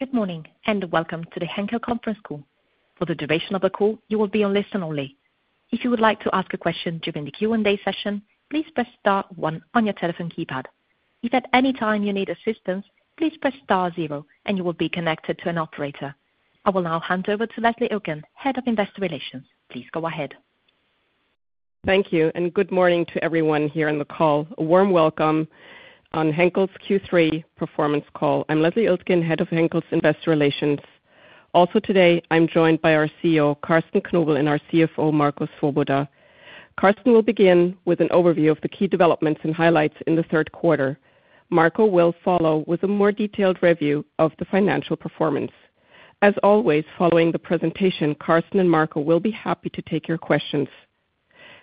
Good morning and welcome to the Henkel Conference Call. For the duration of the call, you will be on listen only. If you would like to ask a question during the Q&A session, please press star one on your telephone keypad. If at any time you need assistance, please press star zero, and you will be connected to an operator. I will now hand over to Leslie Iltgen, Head of Investor Relations. Please go ahead. Thank you, and good morning to everyone here on the call. A warm welcome on Henkel's Q3 Performance Call. I'm Leslie Iltgen, Head of Henkel's Investor Relations. Also today, I'm joined by our CEO, Carsten Knobel, and our CFO, Marco Swoboda. Carsten will begin with an overview of the key developments and highlights in the third quarter. Marco will follow with a more detailed review of the financial performance. As always, following the presentation, Carsten and Marco will be happy to take your questions.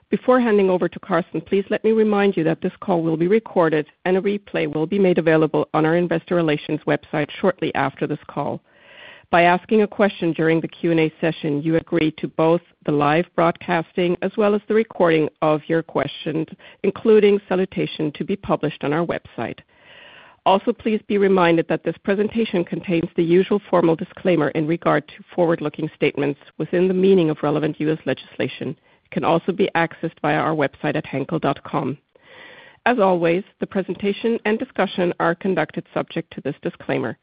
Before handing over to Carsten, please let me remind you that this call will be recorded, and a replay will be made available on our Investor Relations website shortly after this call. By asking a question during the Q&A session, you agree to both the live broadcasting as well as the recording of your questions, including salutation, to be published on our website. Also, please be reminded that this presentation contains the usual formal disclaimer in regard to forward-looking statements within the meaning of relevant U.S. legislation. It can also be accessed via our website at henkel.com. As always, the presentation and discussion are conducted subject to this disclaimer.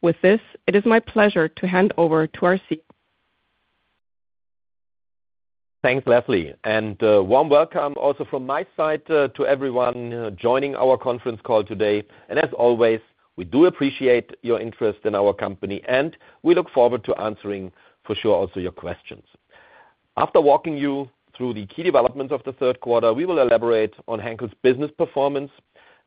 With this, it is my pleasure to hand over to our CEO. Thanks, Leslie, and a warm welcome also from my side to everyone joining our conference call today. And as always, we do appreciate your interest in our company, and we look forward to answering, for sure, also your questions. After walking you through the key developments of the third quarter, we will elaborate on Henkel's business performance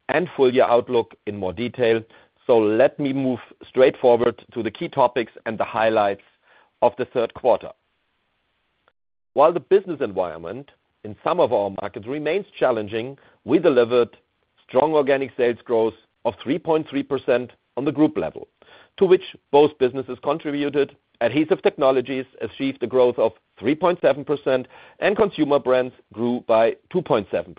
and full-year outlook in more detail. So let me move straightforward to the key topics and the highlights of the third quarter. While the business environment in some of our markets remains challenging, we delivered strong organic sales growth of 3.3% on the group level, to which both businesses contributed. Adhesive technologies achieved a growth of 3.7%, and Consumer Brands grew by 2.7%.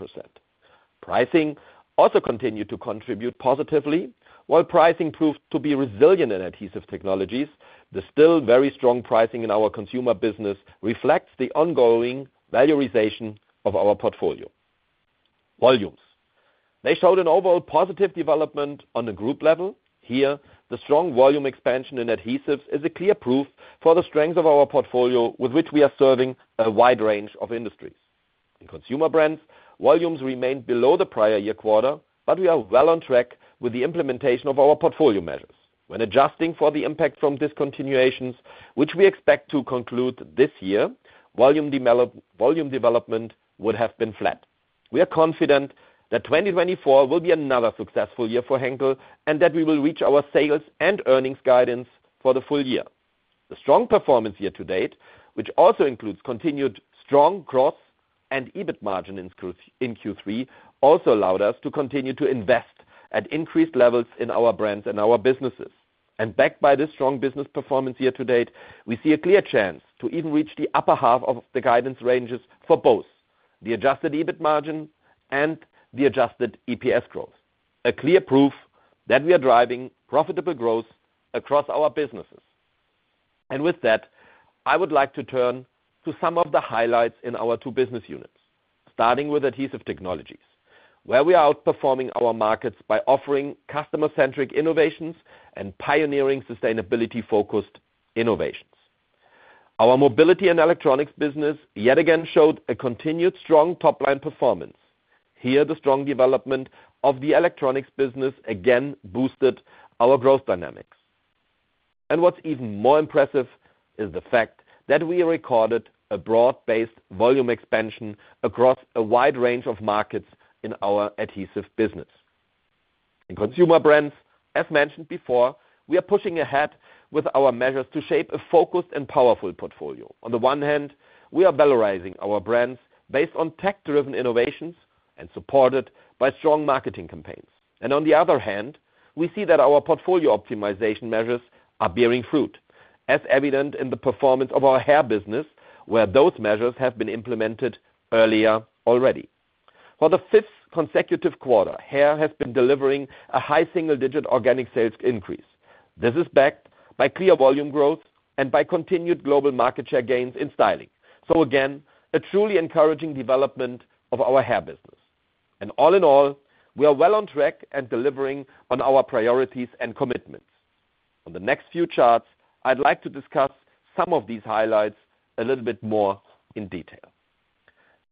Pricing also continued to contribute positively. While pricing proved to be resilient in Adhesive Technologies, the still very strong pricing in our consumer business reflects the ongoing valorization of our portfolio volumes. They showed an overall positive development on the group level. Here, the strong volume expansion in adhesives is a clear proof for the strength of our portfolio, with which we are serving a wide range of industries. In Consumer Brands, volumes remained below the prior year quarter, but we are well on track with the implementation of our portfolio measures. When adjusting for the impact from discontinuations, which we expect to conclude this year, volume development would have been flat. We are confident that 2024 will be another successful year for Henkel and that we will reach our sales and earnings guidance for the full year. The strong performance year to date, which also includes continued strong gross and EBIT margin in Q3, also allowed us to continue to invest at increased levels in our brands and our businesses. And backed by this strong business performance year to date, we see a clear chance to even reach the upper half of the guidance ranges for both the adjusted EBIT margin and the adjusted EPS growth, a clear proof that we are driving profitable growth across our businesses. And with that, I would like to turn to some of the highlights in our two business units, starting with Adhesive Technologies, where we are outperforming our markets by offering customer-centric innovations and pioneering sustainability-focused innovations. Our mobility and electronics business yet again showed a continued strong top-line performance. Here, the strong development of the electronics business again boosted our growth dynamics. What's even more impressive is the fact that we recorded a broad-based volume expansion across a wide range of markets in our adhesive business. In Consumer Brands, as mentioned before, we are pushing ahead with our measures to shape a focused and powerful portfolio. On the one hand, we are valorizing our brands based on tech-driven innovations and supported by strong marketing campaigns. On the other hand, we see that our portfolio optimization measures are bearing fruit, as evident in the performance of our hair business, where those measures have been implemented earlier already. For the fifth consecutive quarter, hair has been delivering a high single-digit organic sales increase. This is backed by clear volume growth and by continued global market share gains in styling. Again, a truly encouraging development of our hair business. All in all, we are well on track and delivering on our priorities and commitments. On the next few charts, I'd like to discuss some of these highlights a little bit more in detail,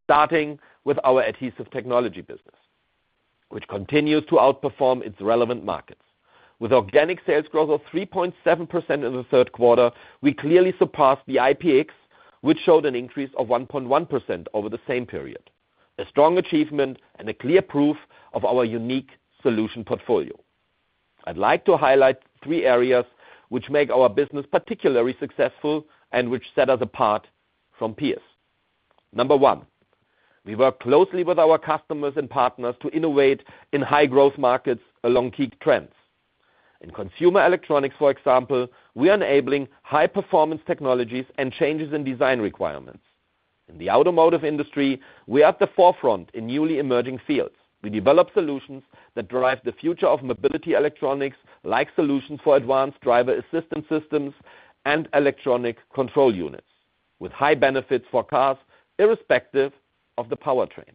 starting with our Adhesive Technologies business, which continues to outperform its relevant markets. With organic sales growth of 3.7% in the third quarter, we clearly surpassed the IPX, which showed an increase of 1.1% over the same period, a strong achievement and a clear proof of our unique solution portfolio. I'd like to highlight three areas which make our business particularly successful and which set us apart from peers. Number one, we work closely with our customers and partners to innovate in high-growth markets along key trends. In consumer electronics, for example, we are enabling high-performance technologies and changes in design requirements. In the automotive industry, we are at the forefront in newly emerging fields. We develop solutions that drive the future of mobility electronics, like solutions for advanced driver assistance systems and electronic control units, with high benefits for cars irrespective of the powertrain.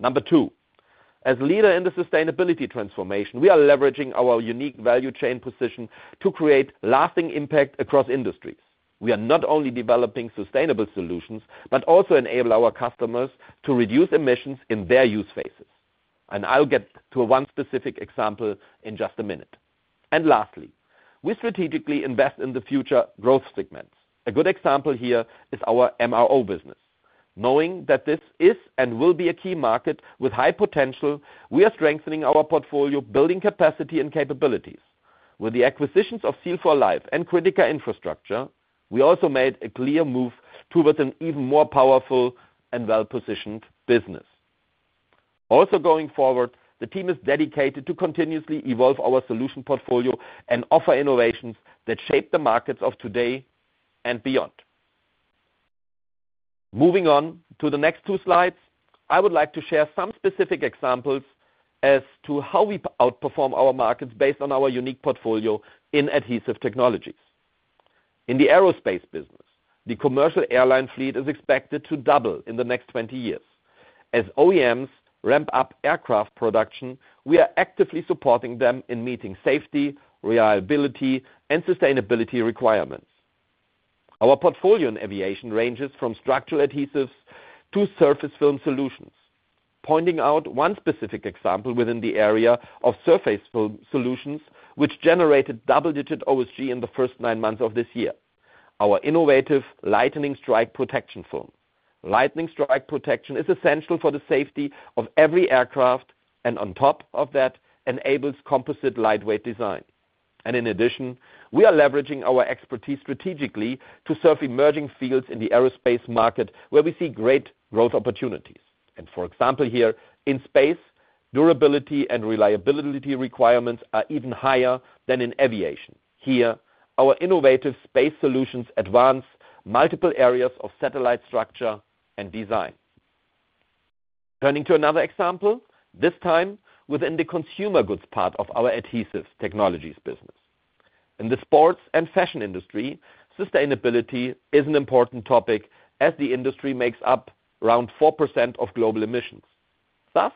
Number two, as a leader in the sustainability transformation, we are leveraging our unique value chain position to create lasting impact across industries. We are not only developing sustainable solutions, but also enable our customers to reduce emissions in their use phases. And I'll get to one specific example in just a minute. And lastly, we strategically invest in the future growth segments. A good example here is our MRO business. Knowing that this is and will be a key market with high potential, we are strengthening our portfolio, building capacity and capabilities. With the acquisitions of Seal for Life and Critica Infrastructure, we also made a clear move towards an even more powerful and well-positioned business. Also going forward, the team is dedicated to continuously evolve our solution portfolio and offer innovations that shape the markets of today and beyond. Moving on to the next two slides, I would like to share some specific examples as to how we outperform our markets based on our unique portfolio in Adhesive Technologies. In the aerospace business, the commercial airline fleet is expected to double in the next 20 years. As OEMs ramp up aircraft production, we are actively supporting them in meeting safety, reliability, and sustainability requirements. Our portfolio in aviation ranges from structural adhesives to surface film solutions, pointing out one specific example within the area of surface film solutions, which generated double-digit OSG in the first nine months of this year. Our innovative lightning strike protection film. Lightning strike protection is essential for the safety of every aircraft and, on top of that, enables composite lightweight design. And in addition, we are leveraging our expertise strategically to serve emerging fields in the aerospace market, where we see great growth opportunities. And for example, here in space, durability and reliability requirements are even higher than in aviation. Here, our innovative space solutions advance multiple areas of satellite structure and design. Turning to another example, this time within the consumer goods part of our Adhesive Technologies business. In the sports and fashion industry, sustainability is an important topic as the industry makes up around 4% of global emissions. Thus,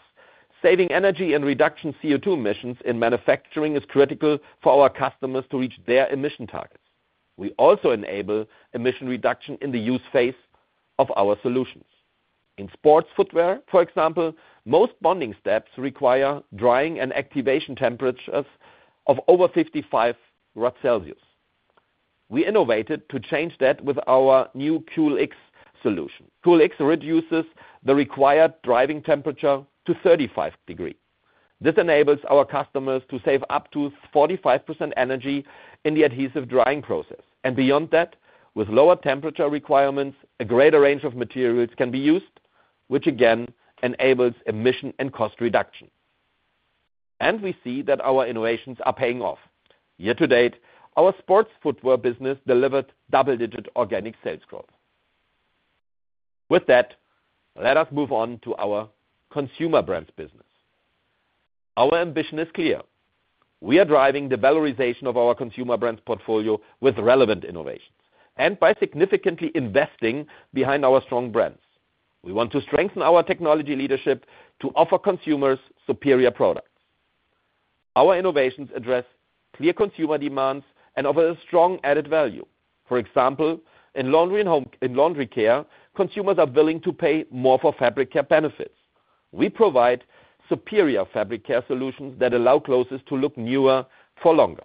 saving energy and reduction CO2 emissions in manufacturing is critical for our customers to reach their emission targets. We also enable emission reduction in the use phase of our solutions. In sports footwear, for example, most bonding steps require drying and activation temperatures of over 55 degrees Celsius. We innovated to change that with our new CoolX solution. CoolX reduces the required drying temperature to 35 degrees Celsius. This enables our customers to save up to 45% energy in the adhesive drying process. And beyond that, with lower temperature requirements, a greater range of materials can be used, which again enables emission and cost reduction. And we see that our innovations are paying off. Year to date, our sports footwear business delivered double-digit organic sales growth. With that, let us move on to our Consumer Brands business. Our ambition is clear. We are driving the valorization of our Consumer Brands portfolio with relevant innovations and by significantly investing behind our strong brands. We want to strengthen our technology leadership to offer consumers superior products. Our innovations address clear consumer demands and offer a strong added value. For example, in laundry and home care, consumers are willing to pay more for fabric care benefits. We provide superior fabric care solutions that allow clothes to look newer for longer.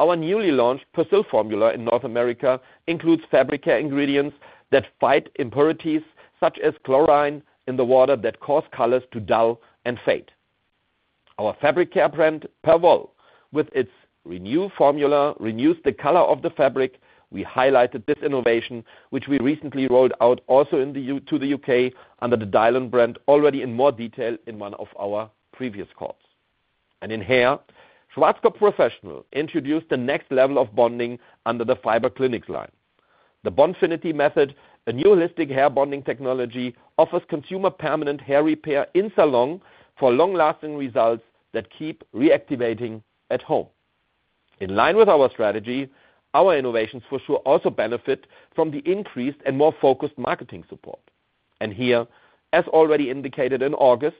Our newly launched Persil formula in North America includes fabric care ingredients that fight impurities such as chlorine in the water that cause colors to dull and fade. Our fabric care brand, Perwoll, with its Renew formula, renews the color of the fabric. We highlighted this innovation, which we recently rolled out also to the U.K. under the Dylon brand, already in more detail in one of our previous calls, and in hair, Schwarzkopf Professional introduced the next level of bonding under the Fibre Clinix line. The Bondfinity method, a new holistic hair bonding technology, offers consumer permanent hair repair in salon for long-lasting results that keep reactivating at home. In line with our strategy, our innovations for sure also benefit from the increased and more focused marketing support. And here, as already indicated in August,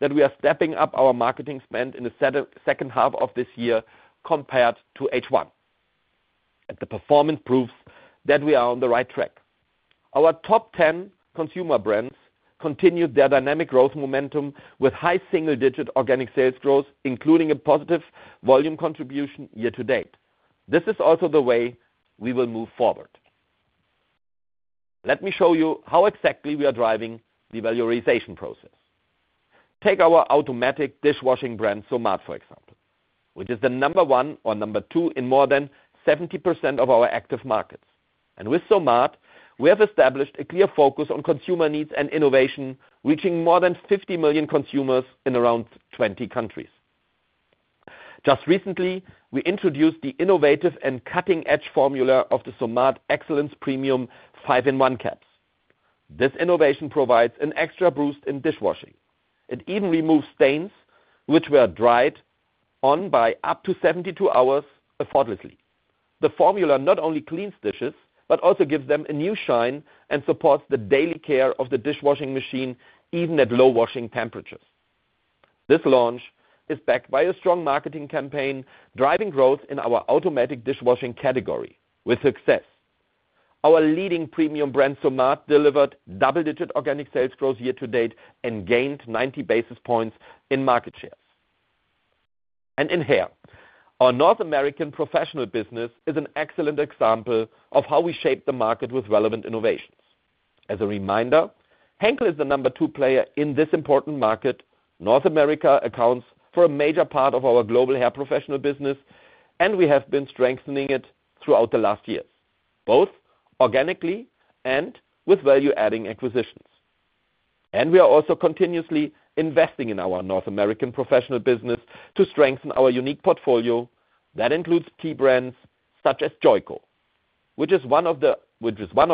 that we are stepping up our marketing spend in the second half of this year compared to H1. And the performance proves that we are on the right track. Our top 10 Consumer Brands continue their dynamic growth momentum with high single-digit organic sales growth, including a positive volume contribution year to date. This is also the way we will move forward. Let me show you how exactly we are driving the valorization process. Take our automatic dishwashing brand, Somat, for example, which is the number one or number two in more than 70% of our active markets. With Somat, we have established a clear focus on consumer needs and innovation, reaching more than 50 million consumers in around 20 countries. Just recently, we introduced the innovative and cutting-edge formula of the Somat Excellence Premium 5-in-1 Caps. This innovation provides an extra boost in dishwashing. It even removes stains, which were dried on by up to 72 hours effortlessly. The formula not only cleans dishes, but also gives them a new shine and supports the daily care of the dishwashing machine even at low washing temperatures. This launch is backed by a strong marketing campaign driving growth in our automatic dishwashing category with success. Our leading premium brand, Somat, delivered double-digit organic sales growth year to date and gained 90 basis points in market shares. In hair, our North American professional business is an excellent example of how we shape the market with relevant innovations. As a reminder, Henkel is the number two player in this important market. North America accounts for a major part of our global hair professional business, and we have been strengthening it throughout the last years, both organically and with value-adding acquisitions. We are also continuously investing in our North American professional business to strengthen our unique portfolio that includes key brands such as Joico, which is one of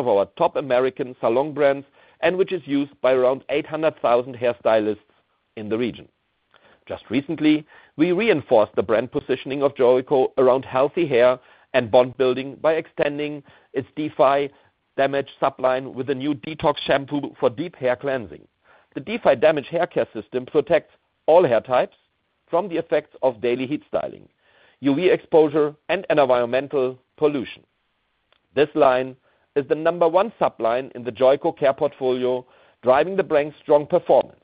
our top American salon brands and which is used by around 800,000 hair stylists in the region. Just recently, we reinforced the brand positioning of Joico around healthy hair and bond building by extending its Defy Damage sub-line with a new detox shampoo for deep hair cleansing. The Defy Damage hair care system protects all hair types from the effects of daily heat styling, UV exposure, and environmental pollution. This line is the number one sub-line in the Joico care portfolio, driving the brand's strong performance.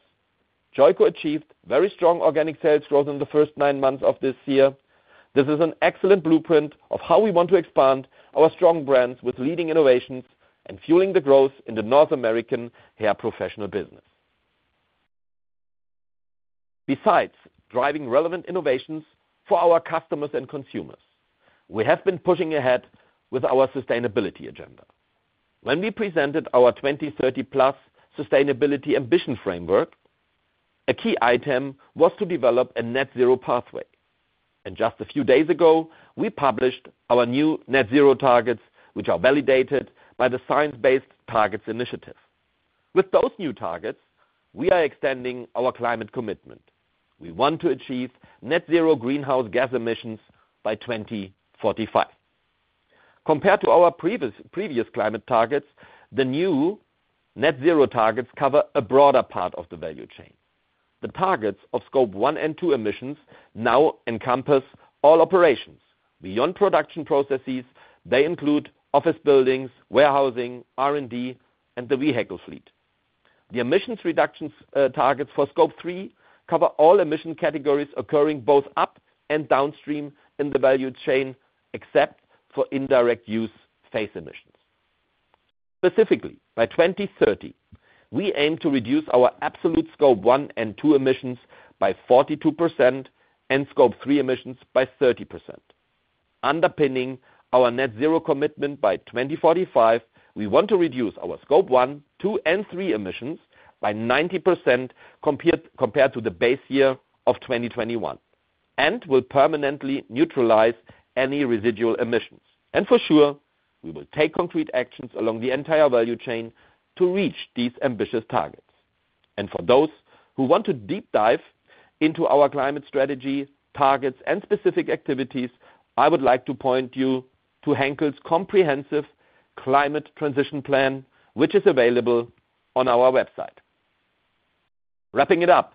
Joico achieved very strong organic sales growth in the first nine months of this year. This is an excellent blueprint of how we want to expand our strong brands with leading innovations and fueling the growth in the North American hair professional business. Besides driving relevant innovations for our customers and consumers, we have been pushing ahead with our sustainability agenda. When we presented our 2030+ Sustainability Ambition Framework, a key item was to develop a net-zero pathway. And just a few days ago, we published our new net-zero targets, which are validated by the Science Based Targets initiative. With those new targets, we are extending our climate commitment. We want to achieve net-zero greenhouse gas emissions by 2045. Compared to our previous climate targets, the new net-zero targets cover a broader part of the value chain. The targets of Scope 1 and 2 emissions now encompass all operations beyond production processes. They include office buildings, warehousing, R&D, and the vehicle fleet. The emissions reduction targets for Scope 3 cover all emission categories occurring both up and downstream in the value chain, except for indirect use phase emissions. Specifically, by 2030, we aim to reduce our absolute Scope 1 and 2 emissions by 42% and Scope 3 emissions by 30%. Underpinning our net-zero commitment by 2045, we want to reduce our Scope 1, 2, and 3 emissions by 90% compared to the base year of 2021 and will permanently neutralize any residual emissions, and for sure, we will take concrete actions along the entire value chain to reach these ambitious targets. And for those who want to deep dive into our climate strategy, targets, and specific activities, I would like to point you to Henkel's comprehensive climate transition plan, which is available on our website. Wrapping it up,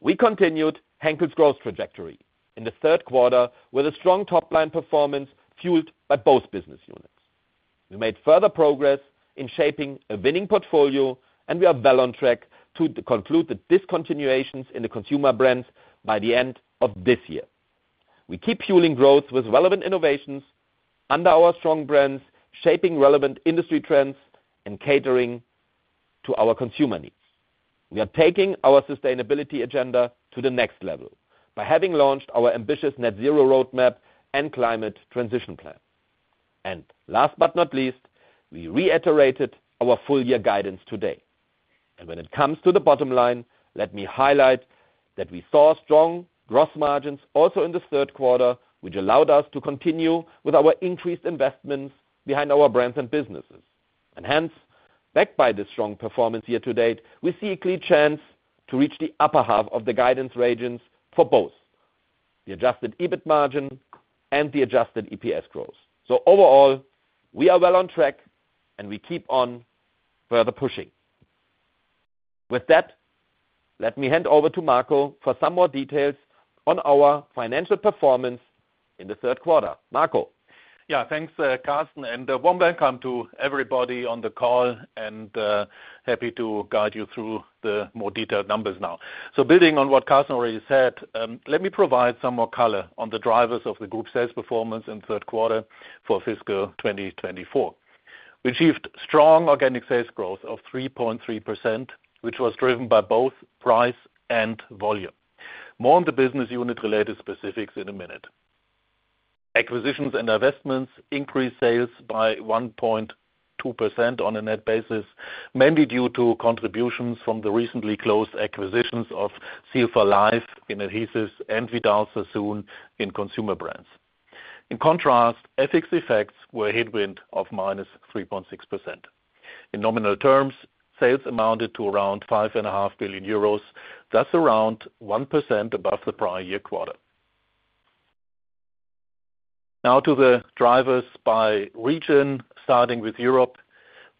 we continued Henkel's growth trajectory in the third quarter with a strong top-line performance fueled by both business units. We made further progress in shaping a winning portfolio, and we are well on track to conclude the discontinuations in the Consumer Brands by the end of this year. We keep fueling growth with relevant innovations under our strong brands, shaping relevant industry trends and catering to our consumer needs. We are taking our sustainability agenda to the next level by having launched our ambitious net-zero roadmap and climate transition plan. And last but not least, we reiterated our full-year guidance today. And when it comes to the bottom line, let me highlight that we saw strong gross margins also in the third quarter, which allowed us to continue with our increased investments behind our brands and businesses. And hence, backed by this strong performance year to date, we see a clear chance to reach the upper half of the guidance regions for both the Adjusted EBIT margin and the Adjusted EPS growth. So overall, we are well on track, and we keep on further pushing. With that, let me hand over to Marco for some more details on our financial performance in the third quarter. Marco. Yeah, thanks, Carsten, and a warm welcome to everybody on the call, and happy to guide you through the more detailed numbers now. Building on what Carsten already said, let me provide some more color on the drivers of the group sales performance in the third quarter for fiscal 2024. We achieved strong organic sales growth of 3.3%, which was driven by both price and volume. More on the business unit-related specifics in a minute. Acquisitions and investments increased sales by 1.2% on a net basis, mainly due to contributions from the recently closed acquisitions of Seal for Life in adhesives and Vidal Sassoon in Consumer Brands. In contrast, currency effects were a headwind of minus 3.6%. In nominal terms, sales amounted to around 5.5 billion euros, thus around 1% above the prior year quarter. Now to the drivers by region, starting with Europe,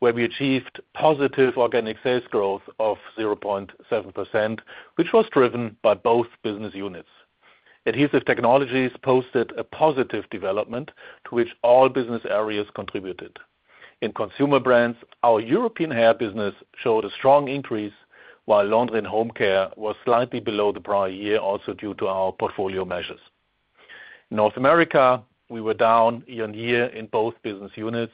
where we achieved positive organic sales growth of 0.7%, which was driven by both business units. Adhesive Technologies posted a positive development to which all business areas contributed. In Consumer Brands, our European hair business showed a strong increase, while laundry and home care was slightly below the prior year, also due to our portfolio measures. In North America, we were down year on year in both business units,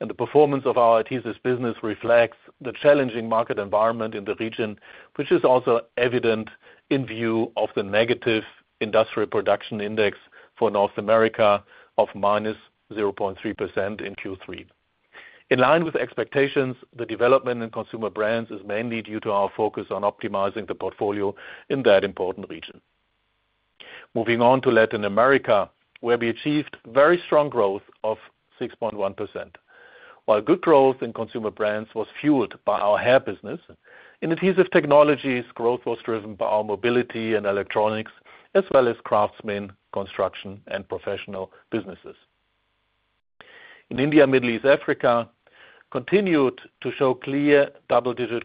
and the performance of our adhesive business reflects the challenging market environment in the region, which is also evident in view of the negative industrial production index for North America of -0.3% in Q3. In line with expectations, the development in Consumer Brands is mainly due to our focus on optimizing the portfolio in that important region. Moving on to Latin America, where we achieved very strong growth of 6.1%. While good growth in Consumer Brands was fueled by our hair business, in adhesive technologies, growth was driven by our mobility and electronics, as well as craftsmen, construction, and professional businesses. In India, Middle East, Africa continued to show clear double-digit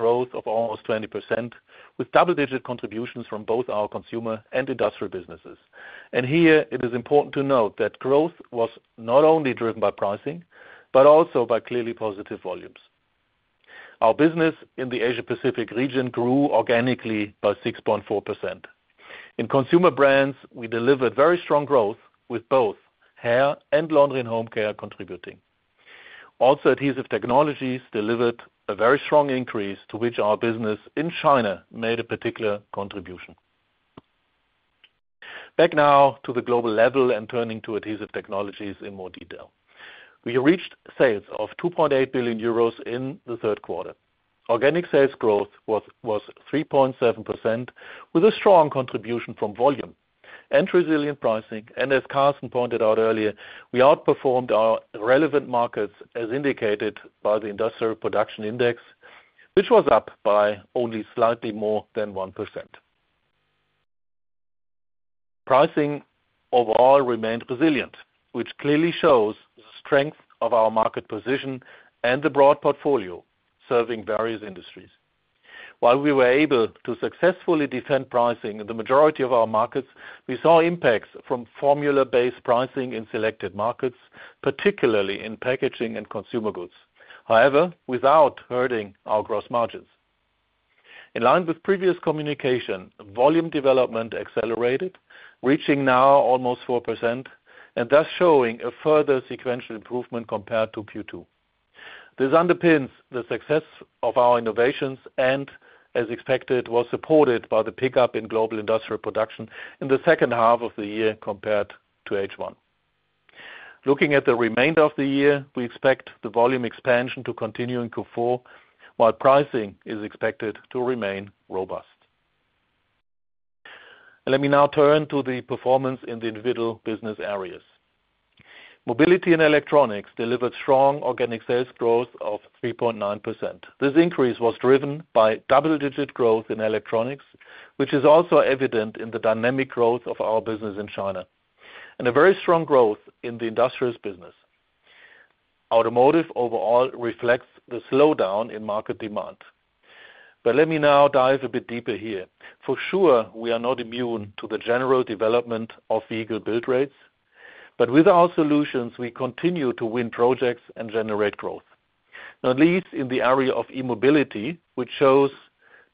growth of almost 20%, with double-digit contributions from both our consumer and industrial businesses. And here, it is important to note that growth was not only driven by pricing, but also by clearly positive volumes. Our business in the Asia-Pacific region grew organically by 6.4%. In Consumer Brands, we delivered very strong growth with both hair and laundry and home care contributing. Also, Adhesive Technologies delivered a very strong increase, to which our business in China made a particular contribution. Back now to the global level and turning to Adhesive Technologies in more detail. We reached sales of 2.8 billion euros in the third quarter. Organic sales growth was 3.7%, with a strong contribution from volume and resilient pricing. As Carsten pointed out earlier, we outperformed our relevant markets, as indicated by the Industrial Production Index, which was up by only slightly more than 1%. Pricing overall remained resilient, which clearly shows the strength of our market position and the broad portfolio serving various industries. While we were able to successfully defend pricing in the majority of our markets, we saw impacts from formula-based pricing in selected markets, particularly in packaging and consumer goods, however, without hurting our gross margins. In line with previous communication, volume development accelerated, reaching now almost 4%, and thus showing a further sequential improvement compared to Q2. This underpins the success of our innovations and, as expected, was supported by the pickup in global industrial production in the second half of the year compared to H1. Looking at the remainder of the year, we expect the volume expansion to continue in Q4, while pricing is expected to remain robust. Let me now turn to the performance in the individual business areas. Mobility and electronics delivered strong organic sales growth of 3.9%. This increase was driven by double-digit growth in electronics, which is also evident in the dynamic growth of our business in China and a very strong growth in the industrial business. Automotive overall reflects the slowdown in market demand. But let me now dive a bit deeper here. For sure, we are not immune to the general development of vehicle build rates, but with our solutions, we continue to win projects and generate growth, not least in the area of e-mobility, which shows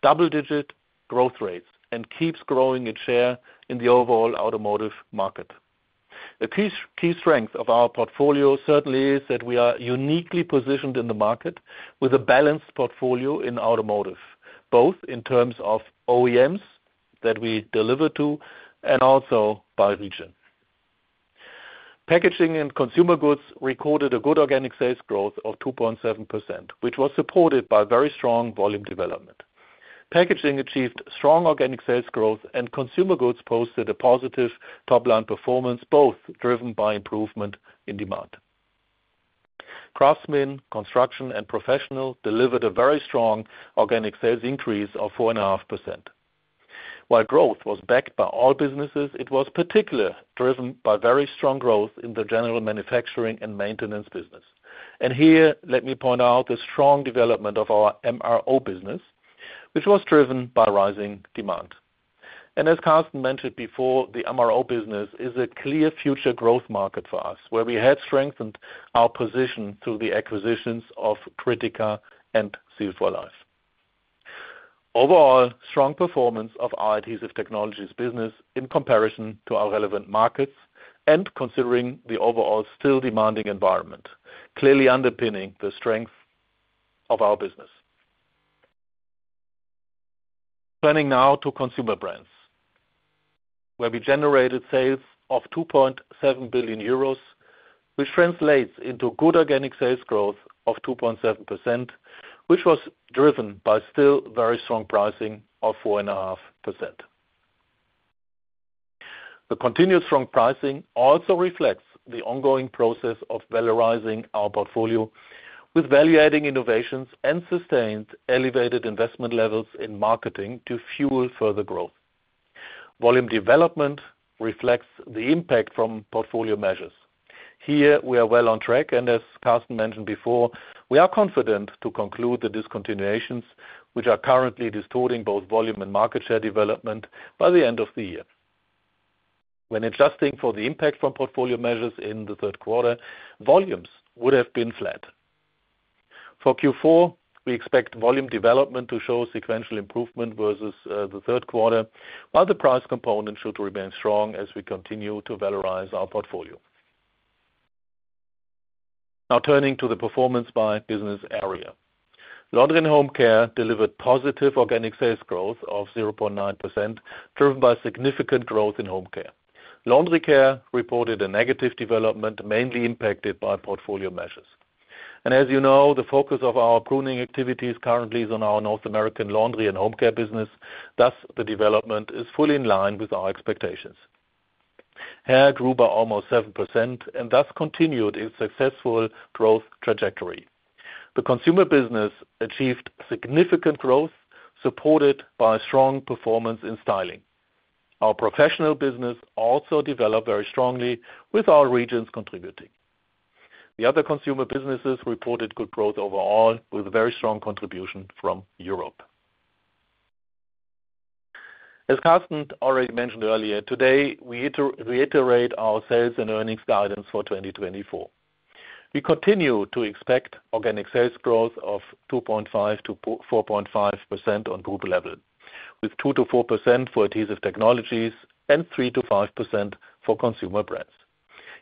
double-digit growth rates and keeps growing its share in the overall automotive market. A key strength of our portfolio certainly is that we are uniquely positioned in the market with a balanced portfolio in automotive, both in terms of OEMs that we deliver to and also by region. Packaging and consumer goods recorded a good organic sales growth of 2.7%, which was supported by very strong volume development. Packaging achieved strong organic sales growth, and consumer goods posted a positive top-line performance, both driven by improvement in demand. Craftsmen, construction, and professionals delivered a very strong organic sales increase of 4.5%. While growth was backed by all businesses, it was particularly driven by very strong growth in the general manufacturing and maintenance business, and here, let me point out the strong development of our MRO business, which was driven by rising demand. As Carsten mentioned before, the MRO business is a clear future growth market for us, where we had strengthened our position through the acquisitions of Critica and Seal for Life. Overall, strong performance of our Adhesive Technologies business in comparison to our relevant markets and considering the overall still demanding environment clearly underpinning the strength of our business. Turning now to Consumer Brands, where we generated sales of 2.7 billion euros, which translates into good organic sales growth of 2.7%, which was driven by still very strong pricing of 4.5%. The continued strong pricing also reflects the ongoing process of valorizing our portfolio, with valuating innovations and sustained elevated investment levels in marketing to fuel further growth. Volume development reflects the impact from portfolio measures. Here, we are well on track, and as Carsten mentioned before, we are confident to conclude the discontinuations, which are currently distorting both volume and market share development by the end of the year. When adjusting for the impact from portfolio measures in the third quarter, volumes would have been flat. For Q4, we expect volume development to show sequential improvement versus the third quarter, while the price component should remain strong as we continue to valorize our portfolio. Now turning to the performance by business area, Laundry and Home Care delivered positive organic sales growth of 0.9%, driven by significant growth in Home Care. Laundry Care reported a negative development, mainly impacted by portfolio measures, and as you know, the focus of our pruning activities currently is on our North American Laundry and Home Care business. Thus, the development is fully in line with our expectations. Hair grew by almost 7% and thus continued its successful growth trajectory. The consumer business achieved significant growth, supported by strong performance in styling. Our professional business also developed very strongly, with our regions contributing. The other consumer businesses reported good growth overall, with a very strong contribution from Europe. As Carsten already mentioned earlier, today we reiterate our sales and earnings guidance for 2024. We continue to expect organic sales growth of 2.5%-4.5% on group level, with 2%-4% for Adhesive Technologies and 3%-5% for Consumer Brands.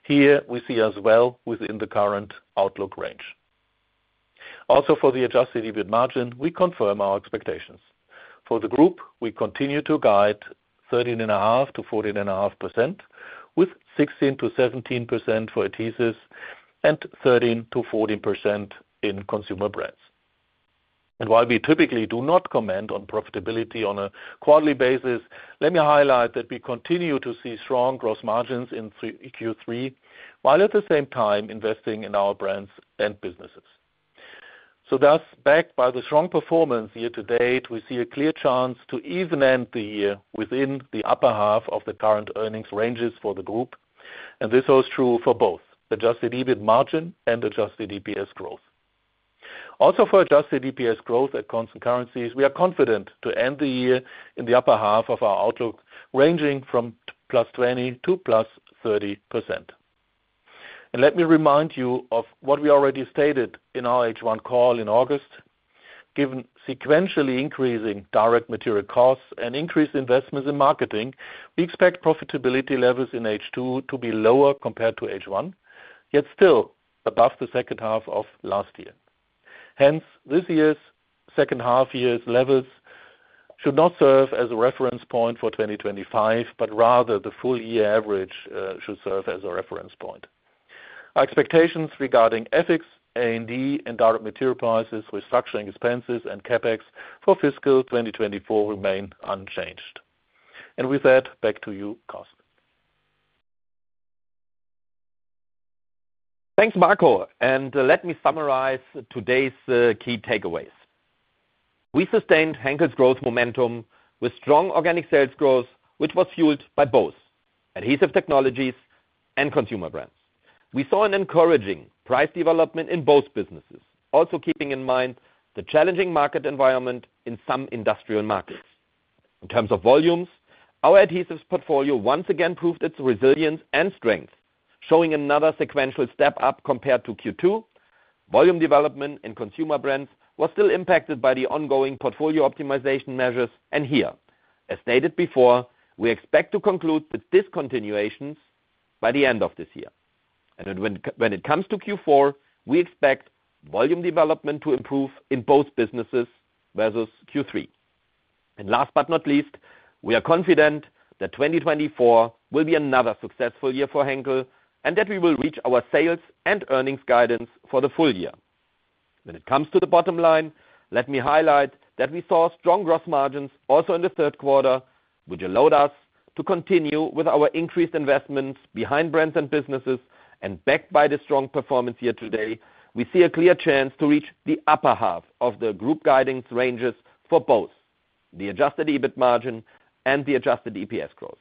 Here, we see us well within the current outlook range. Also, for the Adjusted EBIT margin, we confirm our expectations. For the group, we continue to guide 13.5%-14.5%, with 16%-17% for adhesives and 13%-14% in Consumer Brands. While we typically do not comment on profitability on a quarterly basis, let me highlight that we continue to see strong gross margins in Q3, while at the same time investing in our brands and businesses. Thus, backed by the strong performance year to date, we see a clear chance to even end the year within the upper half of the current earnings ranges for the group. This was true for both Adjusted EBIT margin and Adjusted EPS growth. Also, for Adjusted EPS growth at constant currencies, we are confident to end the year in the upper half of our outlook, ranging from +20% to +30%. Let me remind you of what we already stated in our H1 call in August. Given sequentially increasing direct material costs and increased investments in marketing, we expect profitability levels in H2 to be lower compared to H1, yet still above the second half of last year. Hence, this year's second half year's levels should not serve as a reference point for 2025, but rather the full year average should serve as a reference point. Our expectations regarding EBIT, A&P, and direct material prices, restructuring expenses, and CapEx for fiscal 2024 remain unchanged. And with that, back to you, Carsten. Thanks, Marco. And let me summarize today's key takeaways. We sustained Henkel's growth momentum with strong organic sales growth, which was fueled by both Adhesive Technologies and Consumer Brands. We saw an encouraging price development in both businesses, also keeping in mind the challenging market environment in some industrial markets. In terms of volumes, our adhesives portfolio once again proved its resilience and strength, showing another sequential step up compared to Q2. Volume development in consumer brands was still impacted by the ongoing portfolio optimization measures, and here, as stated before, we expect to conclude the discontinuations by the end of this year, and when it comes to Q4, we expect volume development to improve in both businesses versus Q3, and last but not least, we are confident that 2024 will be another successful year for Henkel and that we will reach our sales and earnings guidance for the full year. When it comes to the bottom line, let me highlight that we saw strong gross margins also in the third quarter, which allowed us to continue with our increased investments behind brands and businesses. Backed by the strong performance year to date, we see a clear chance to reach the upper half of the group guidance ranges for both the Adjusted EBIT margin and the Adjusted EPS growth.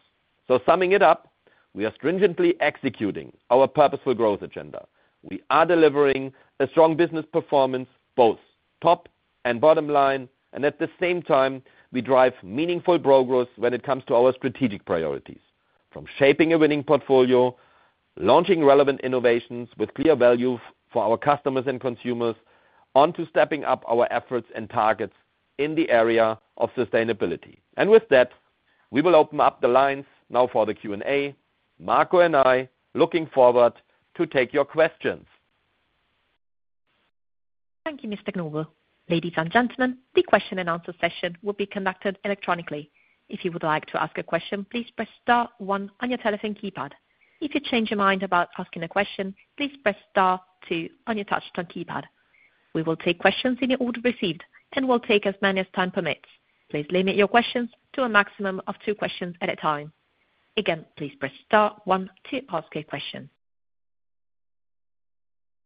Summing it up, we are stringently executing our purposeful growth agenda. We are delivering a strong business performance, both top and bottom line. At the same time, we drive meaningful progress when it comes to our strategic priorities, from shaping a winning portfolio, launching relevant innovations with clear value for our customers and consumers, onto stepping up our efforts and targets in the area of sustainability. With that, we will open up the lines now for the Q&A. Marco and I are looking forward to take your questions. Thank you, Mr. Knobel. Ladies and gentlemen, the question and answer session will be conducted electronically. If you would like to ask a question, please press Star one on your telephone keypad. If you change your mind about asking a question, please press Star two on your touchscreen keypad. We will take questions in the order received and will take as many as time permits. Please limit your questions to a maximum of two questions at a time. Again, please press Star one to ask a question.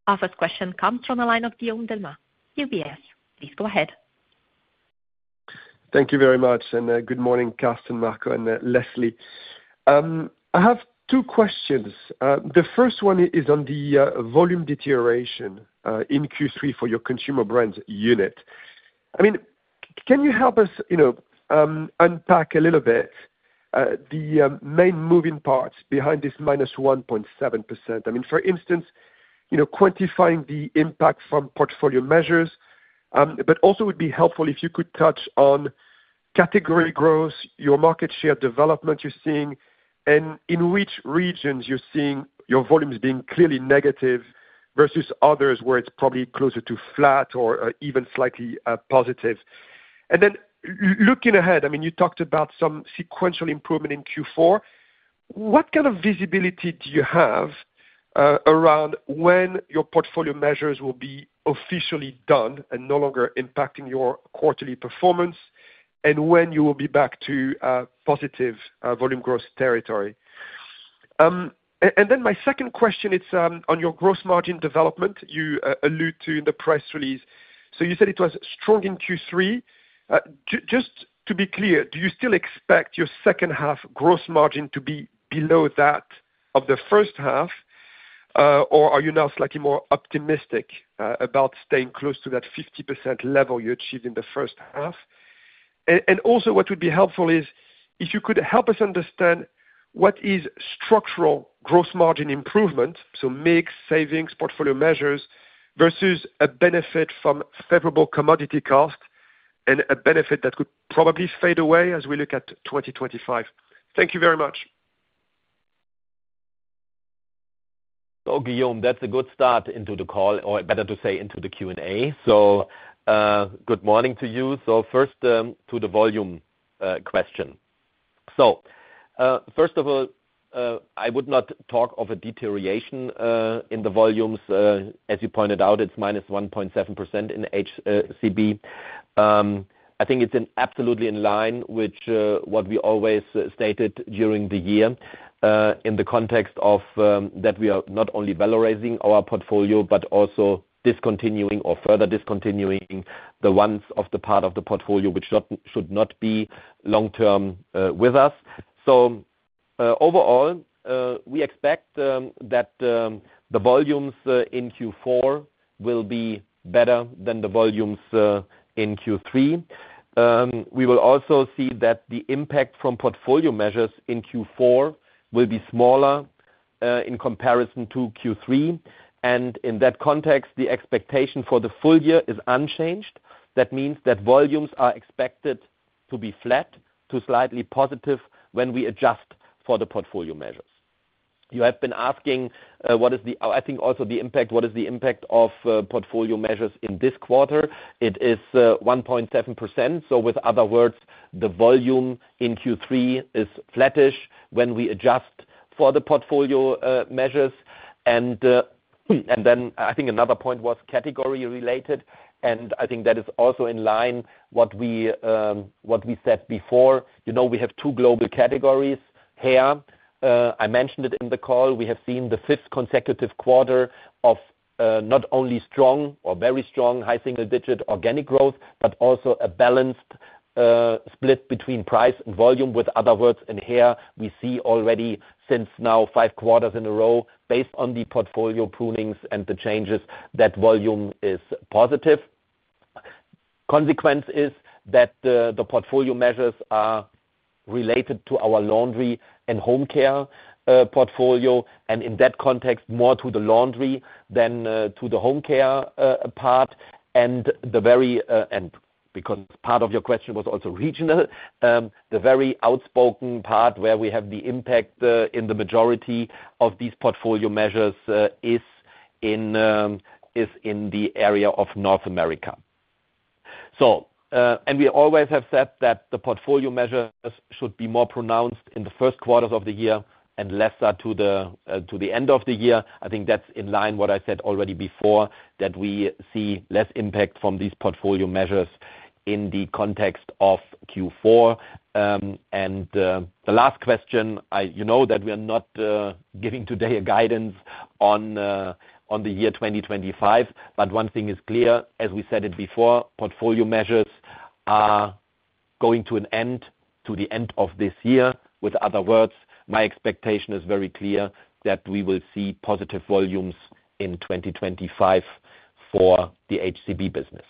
Our first question comes from the line of Guillaume Delmas, UBS. Please go ahead. Thank you very much and good morning, Carsten, Marco, and Leslie. I have two questions. The first one is on the volume deterioration in Q3 for your Consumer Brands unit. I mean, can you help us unpack a little bit the main moving parts behind this -1.7%? I mean, for instance, quantifying the impact from portfolio measures, but also it would be helpful if you could touch on category growth, your market share development you're seeing, and in which regions you're seeing your volumes being clearly negative versus others where it's probably closer to flat or even slightly positive. And then looking ahead, I mean, you talked about some sequential improvement in Q4. What kind of visibility do you have around when your portfolio measures will be officially done and no longer impacting your quarterly performance, and when you will be back to positive volume growth territory? And then my second question, it's on your gross margin development you alluded to in the press release. So you said it was strong in Q3. Just to be clear, do you still expect your second half gross margin to be below that of the first half, or are you now slightly more optimistic about staying close to that 50% level you achieved in the first half? And also, what would be helpful is if you could help us understand what is structural gross margin improvement, so MIG savings, portfolio measures versus a benefit from favorable commodity cost and a benefit that could probably fade away as we look at 2025. Thank you very much. So, Guillaume, that's a good start into the call, or better to say into the Q&A. So good morning to you. So first to the volume question. So first of all, I would not talk of a deterioration in the volumes. As you pointed out, it's -1.7% in HCB. I think it's absolutely in line with what we always stated during the year in the context of that we are not only valorizing our portfolio, but also discontinuing or further discontinuing the ones of the part of the portfolio which should not be long-term with us. So overall, we expect that the volumes in Q4 will be better than the volumes in Q3. We will also see that the impact from portfolio measures in Q4 will be smaller in comparison to Q3. And in that context, the expectation for the full year is unchanged. That means that volumes are expected to be flat to slightly positive when we adjust for the portfolio measures. You have been asking, I think, also the impact, what is the impact of portfolio measures in this quarter? It is 1.7%. In other words, the volume in Q3 is flattish when we adjust for the portfolio measures. Then I think another point was category related, and I think that is also in line with what we said before. We have two global categories here. I mentioned it in the call. We have seen the fifth consecutive quarter of not only strong or very strong high single-digit organic growth, but also a balanced split between price and volume. In other words, in here, we see already since now five quarters in a row, based on the portfolio prunings and the changes, that volume is positive. The consequence is that the portfolio measures are related to our laundry and home care portfolio, and in that context, more to the laundry than to the home care part. Because part of your question was also regional, the very outspoken part where we have the impact in the majority of these portfolio measures is in the area of North America. We always have said that the portfolio measures should be more pronounced in the first quarters of the year and lesser to the end of the year. I think that's in line with what I said already before, that we see less impact from these portfolio measures in the context of Q4. The last question, you know that we are not giving today a guidance on the year 2025, but one thing is clear. As we said it before, portfolio measures are coming to an end by the end of this year. In other words, my expectation is very clear that we will see positive volumes in 2025 for the HCB business.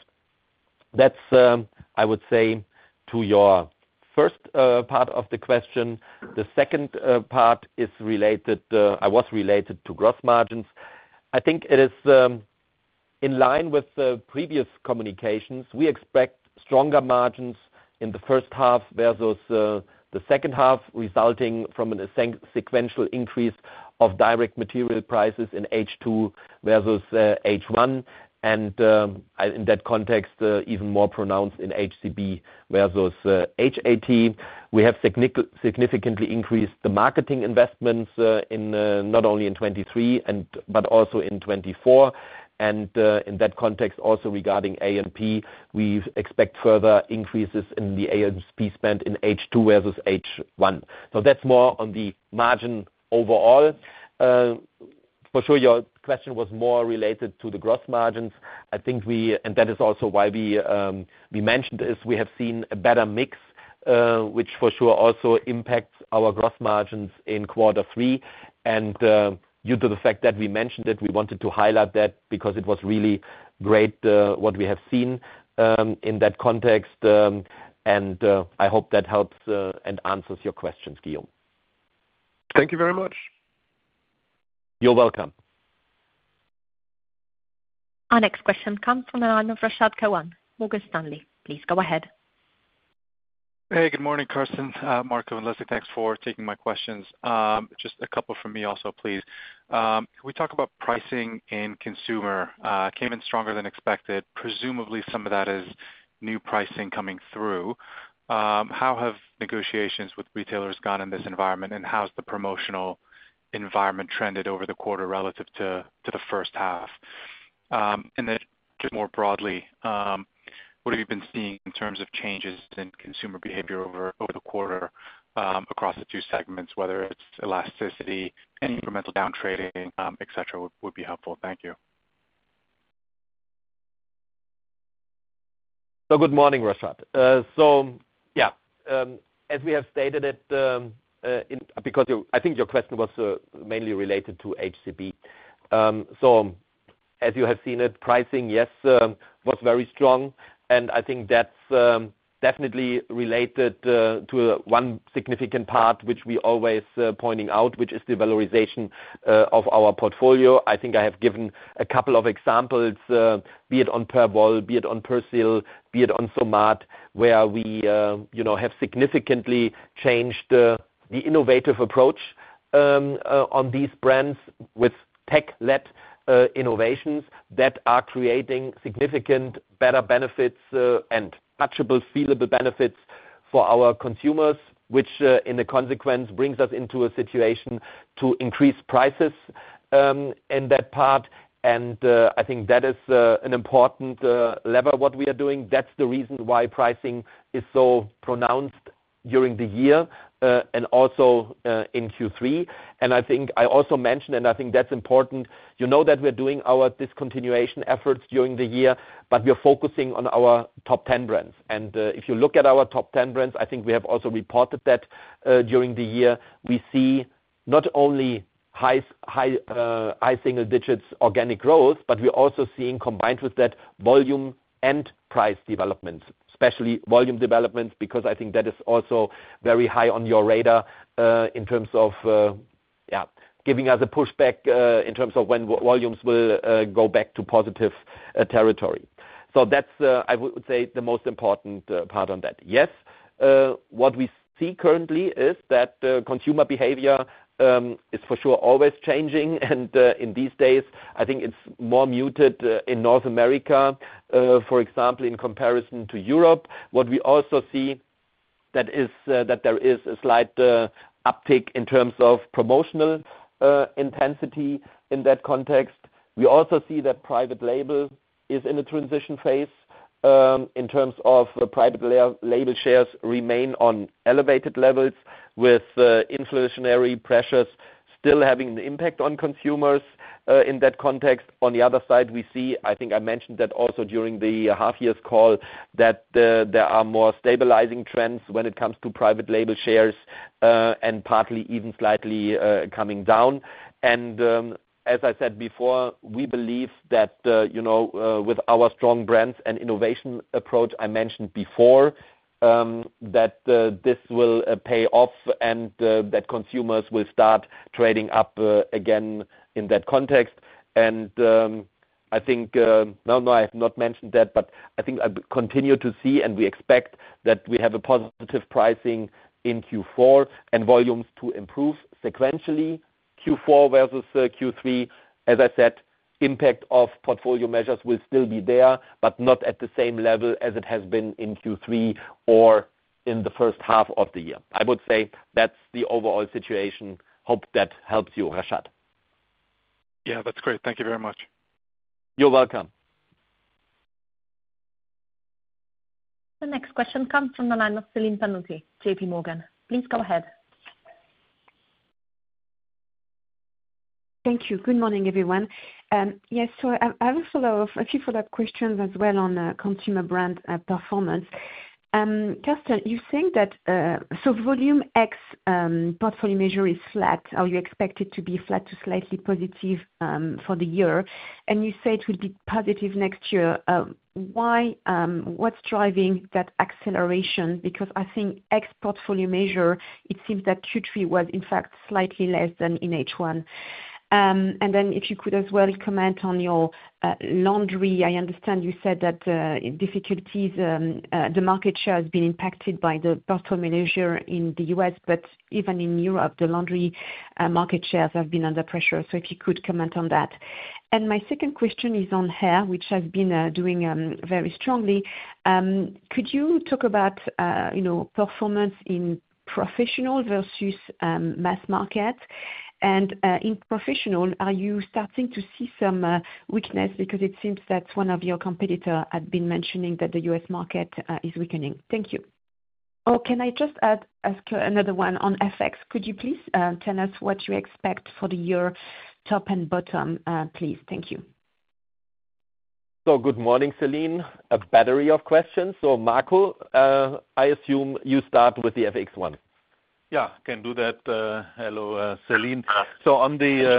That's, I would say, to your first part of the question. The second part is related. It's related to gross margins. I think it is in line with the previous communications. We expect stronger margins in the first half versus the second half, resulting from a sequential increase of direct material prices in H2 versus H1, and in that context, even more pronounced in HCB versus HAT. We have significantly increased the marketing investments not only in 2023, but also in 2024. And in that context, also regarding A&P, we expect further increases in the A&P spend in H2 versus H1. So that's more on the margin overall. For sure, your question was more related to the gross margins. I think we, and that is also why we mentioned this, we have seen a better mix, which for sure also impacts our gross margins in quarter three. Due to the fact that we mentioned it, we wanted to highlight that because it was really great what we have seen in that context. I hope that helps and answers your questions, Guillaume. Thank you very much. You're welcome. Our next question comes from the line of Rashad Kawan, Morgan Stanley. Please go ahead. Hey, good morning, Carsten, Marco, and Leslie. Thanks for taking my questions. Just a couple from me also, please. We talk about pricing and consumer came in stronger than expected. Presumably, some of that is new pricing coming through. How have negotiations with retailers gone in this environment, and how has the promotional environment trended over the quarter relative to the first half? And then just more broadly, what have you been seeing in terms of changes in consumer behavior over the quarter across the two segments, whether it's elasticity, any incremental downtrading, etc., would be helpful. Thank you. So good morning, Rashad. So yeah, as we have stated it, because I think your question was mainly related to HCB. So as you have seen it, pricing, yes, was very strong. And I think that's definitely related to one significant part, which we always point out, which is the valorization of our portfolio. I think I have given a couple of examples, be it on Perwoll, be it on Persil, be it on Somat, where we have significantly changed the innovative approach on these brands with tech-led innovations that are creating significant better benefits and touchable, feelable benefits for our consumers, which in the consequence brings us into a situation to increase prices in that part. And I think that is an important lever what we are doing. That's the reason why pricing is so pronounced during the year and also in Q3. And I think I also mentioned, and I think that's important, you know that we're doing our discontinuation efforts during the year, but we're focusing on our top 10 brands. If you look at our top 10 brands, I think we have also reported that during the year, we see not only high single-digit organic growth, but we're also seeing combined with that volume and price developments, especially volume developments, because I think that is also very high on your radar in terms of giving us a pushback in terms of when volumes will go back to positive territory. That's, I would say, the most important part on that. Yes, what we see currently is that consumer behavior is for sure always changing. In these days, I think it's more muted in North America, for example, in comparison to Europe. What we also see, that is, that there is a slight uptick in terms of promotional intensity in that context. We also see that private label is in a transition phase in terms of private label shares remain on elevated levels with inflationary pressures still having an impact on consumers in that context. On the other side, we see, I think I mentioned that also during the half-year call, that there are more stabilizing trends when it comes to private label shares and partly even slightly coming down. And as I said before, we believe that with our strong brands and innovation approach I mentioned before, that this will pay off and that consumers will start trading up again in that context. And I think, no, no, I have not mentioned that, but I think I continue to see and we expect that we have a positive pricing in Q4 and volumes to improve sequentially. Q4 versus Q3, as I said, impact of portfolio measures will still be there, but not at the same level as it has been in Q3 or in the first half of the year. I would say that's the overall situation. Hope that helps you, Rashad. Yeah, that's great. Thank you very much. You're welcome. The next question comes from the line of Celine Pannuti, JPMorgan. Please go ahead. Thank you. Good morning, everyone. Yes, so I have a few follow-up questions as well on Consumer Brands performance. Carsten, you think that so volume ex portfolio measures is flat, or you expect it to be flat to slightly positive for the year, and you say it will be positive next year. What's driving that acceleration? Because I think ex portfolio measures, it seems that Q3 was in fact slightly less than in H1. And then if you could as well comment on your laundry. I understand you said that difficulties, the market share has been impacted by the portfolio measure in the U.S., but even in Europe, the laundry market shares have been under pressure. So if you could comment on that. And my second question is on hair, which has been doing very strongly. Could you talk about performance in professional versus mass market? And in professional, are you starting to see some weakness? Because it seems that one of your competitors had been mentioning that the U.S. market is weakening. Thank you. Oh, can I just ask another one on FX? Could you please tell us what you expect for the year top and bottom, please? Thank you. So good morning, Celine. A battery of questions. So Marco, I assume you start with the FX one. Yeah, I can do that. Hello, Celine. So on the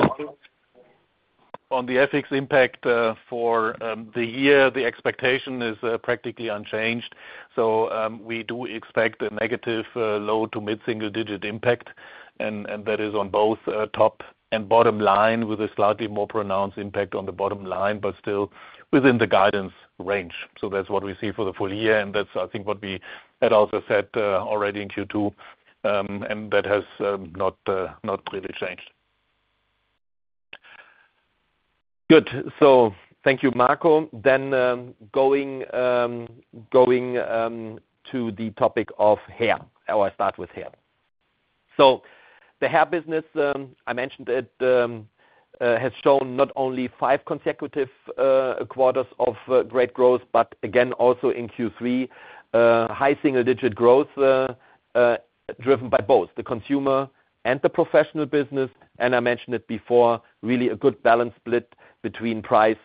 FX impact for the year, the expectation is practically unchanged. So we do expect a negative low- to mid-single-digit impact, and that is on both top and bottom line with a slightly more pronounced impact on the bottom line, but still within the guidance range. So that's what we see for the full year, and that's, I think, what we had also said already in Q2, and that has not really changed. Good. So thank you, Marco. Then going to the topic of hair, I will start with hair. So the hair business, I mentioned it, has shown not only five consecutive quarters of great growth, but again, also in Q3, high single-digit growth driven by both the consumer and the professional business. And I mentioned it before, really a good balance split between price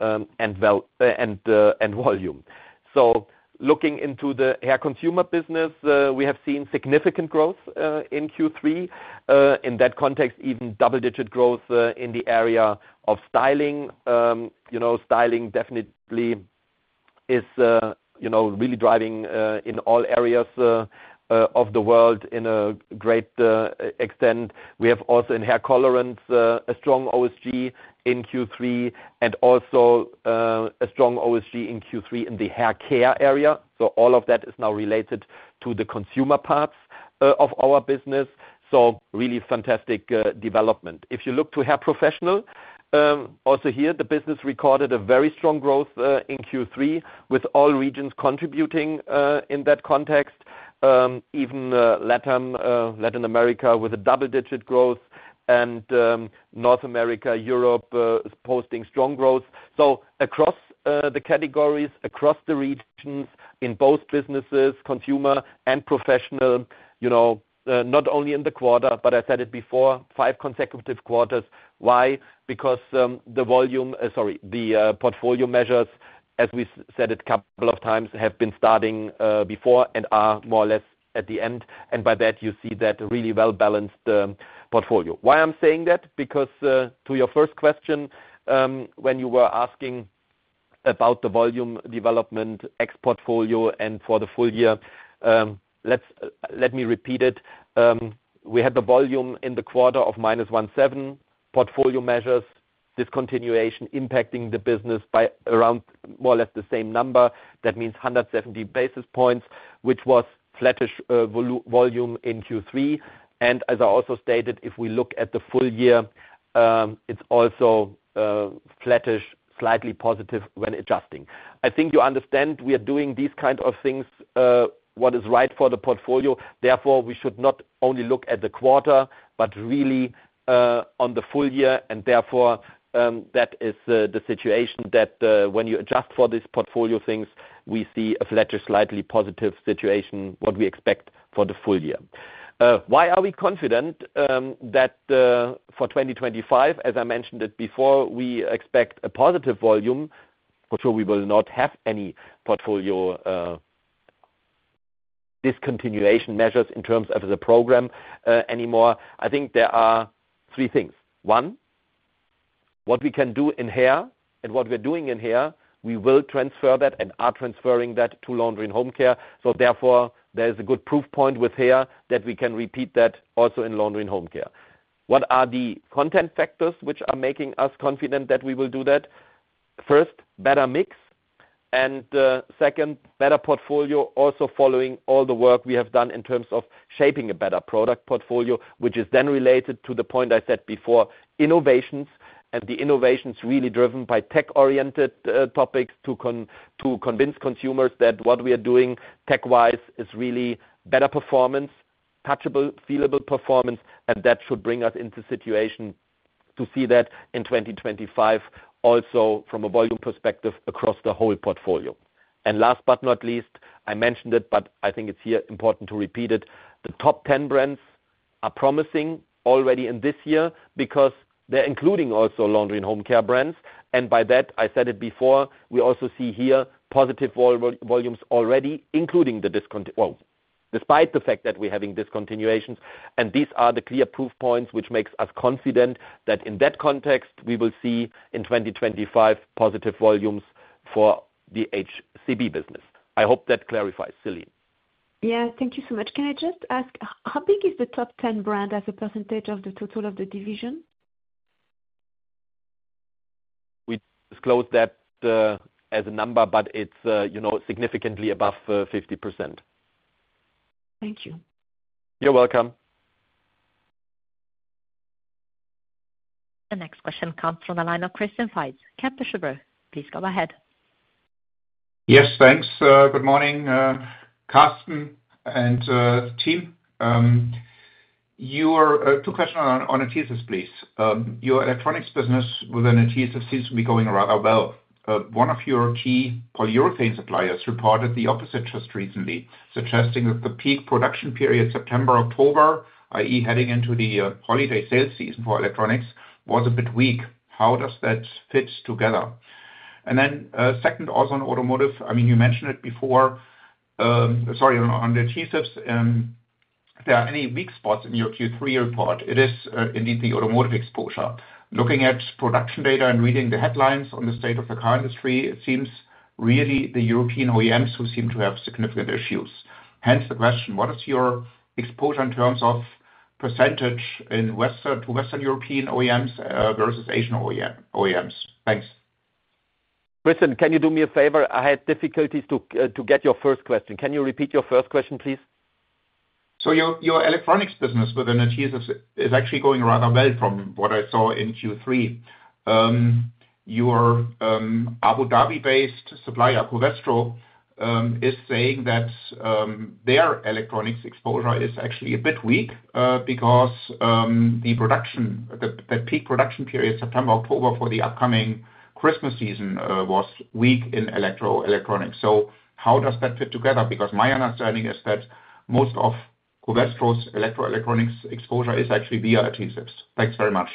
and volume. Looking into the hair consumer business, we have seen significant growth in Q3. In that context, even double-digit growth in the area of styling. Styling definitely is really driving in all areas of the world in a great extent. We have also in hair colorants, a strong OSG in Q3, and also a strong OSG in Q3 in the hair care area. All of that is now related to the consumer parts of our business. Really fantastic development. If you look to hair professional, also here, the business recorded a very strong growth in Q3 with all regions contributing in that context, even Latin America with a double-digit growth, and North America, Europe is posting strong growth. Across the categories, across the regions, in both businesses, consumer and professional, not only in the quarter, but I said it before, five consecutive quarters. Why? Because the volume, sorry, the portfolio measures, as we said it a couple of times, have been starting before and are more or less at the end. And by that, you see that really well-balanced portfolio. Why I'm saying that? Because to your first question, when you were asking about the volume development, X portfolio, and for the full year, let me repeat it. We had the volume in the quarter of minus 1.7, portfolio measures, discontinuation impacting the business by around more or less the same number. That means 170 basis points, which was flattish volume in Q3. And as I also stated, if we look at the full year, it's also flattish, slightly positive when adjusting. I think you understand we are doing these kinds of things, what is right for the portfolio. Therefore, we should not only look at the quarter, but really on the full year. And therefore, that is the situation that when you adjust for these portfolio things, we see a flattish, slightly positive situation, what we expect for the full year. Why are we confident that for 2025, as I mentioned it before, we expect a positive volume? For sure, we will not have any portfolio discontinuation measures in terms of the program anymore. I think there are three things. One, what we can do in hair and what we're doing in hair, we will transfer that and are transferring that to laundry and home care. So therefore, there is a good proof point with hair that we can repeat that also in laundry and home care. What are the content factors which are making us confident that we will do that? First, better mix. And second, better portfolio, also following all the work we have done in terms of shaping a better product portfolio, which is then related to the point I said before, innovations. And the innovations really driven by tech-oriented topics to convince consumers that what we are doing tech-wise is really better performance, touchable, feelable performance, and that should bring us into situation to see that in 2025 also from a volume perspective across the whole portfolio. And last but not least, I mentioned it, but I think it's here important to repeat it. The top 10 brands are promising already in this year because they're including also laundry and home care brands. And by that, I said it before, we also see here positive volumes already, including the discontinued, well, despite the fact that we're having discontinuations. And these are the clear proof points, which makes us confident that in that context, we will see in 2025 positive volumes for the HCB business. I hope that clarifies Celine. Yeah, thank you so much. Can I just ask, how big is the top 10 brand as a percentage of the total of the division? We disclose that as a number, but it's significantly above 50%. Thank you. You're welcome. The next question comes from the line of Christian Faitz. Kepler Cheuvreux, please go ahead. Yes, thanks. Good morning, Carsten and team. Two questions on Adhesive Technologies, please. Your electronics business within Adhesive Technologies seems to be going rather well. One of your key polyurethane suppliers reported the opposite just recently, suggesting that the peak production period, September, October, i.e., heading into the holiday sales season for electronics, was a bit weak. How does that fit together? And then second, also on automotive, I mean, you mentioned it before. Sorry, on the Adhesives, if there are any weak spots in your Q3 report, it is indeed the automotive exposure. Looking at production data and reading the headlines on the state of the car industry, it seems really the European OEMs who seem to have significant issues. Hence the question, what is your exposure in terms of percentage to Western European OEMs versus Asian OEMs? Thanks. Christian, can you do me a favor? I had difficulties to get your first question. Can you repeat your first question, please? So your electronics business within Adhesives is actually going rather well from what I saw in Q3. Your Abu Dhabi-based supplier, Covestro, is saying that their electronics exposure is actually a bit weak because the peak production period, September, October for the upcoming Christmas season, was weak in electronics. So how does that fit together? Because my understanding is that most of Covestro's electronics exposure is actually via adhesives. Thanks very much.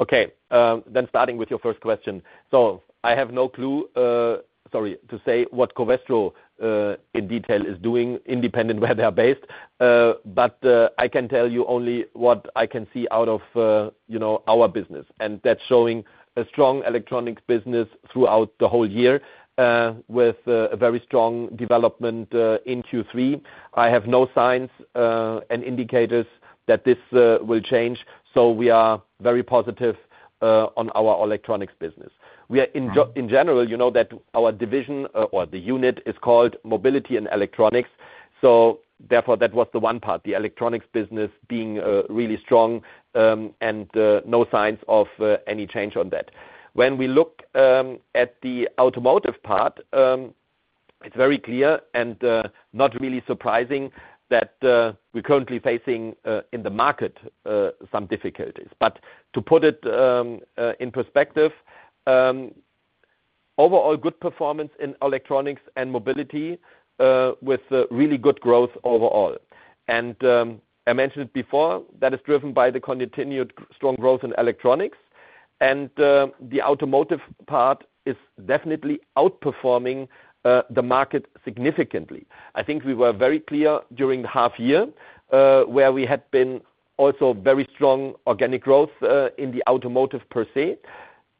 Okay. Then starting with your first question. So I have no clue, sorry, to say what Covestro in detail is doing, independent where they are based, but I can tell you only what I can see out of our business. And that's showing a strong electronics business throughout the whole year with a very strong development in Q3. I have no signs and indicators that this will change. So we are very positive on our electronics business. In general, you know that our division or the unit is called Mobility and Electronics. So therefore, that was the one part, the electronics business being really strong and no signs of any change on that. When we look at the automotive part, it's very clear and not really surprising that we're currently facing in the market some difficulties, but to put it in perspective, overall good performance in electronics and mobility with really good growth overall, and I mentioned it before, that is driven by the continued strong growth in electronics, and the automotive part is definitely outperforming the market significantly. I think we were very clear during the half year where we had been also very strong organic growth in the automotive per se.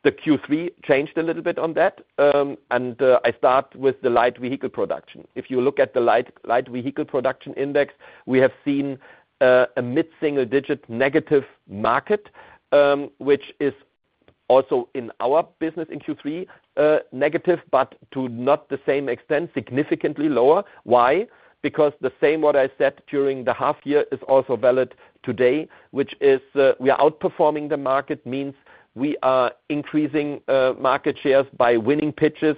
The Q3 changed a little bit on that, and I start with the light vehicle production. If you look at the light vehicle production index, we have seen a mid-single-digit negative market, which is also in our business in Q3 negative, but to not the same extent, significantly lower. Why? Because the same what I said during the half year is also valid today, which is we are outperforming the market means we are increasing market shares by winning pitches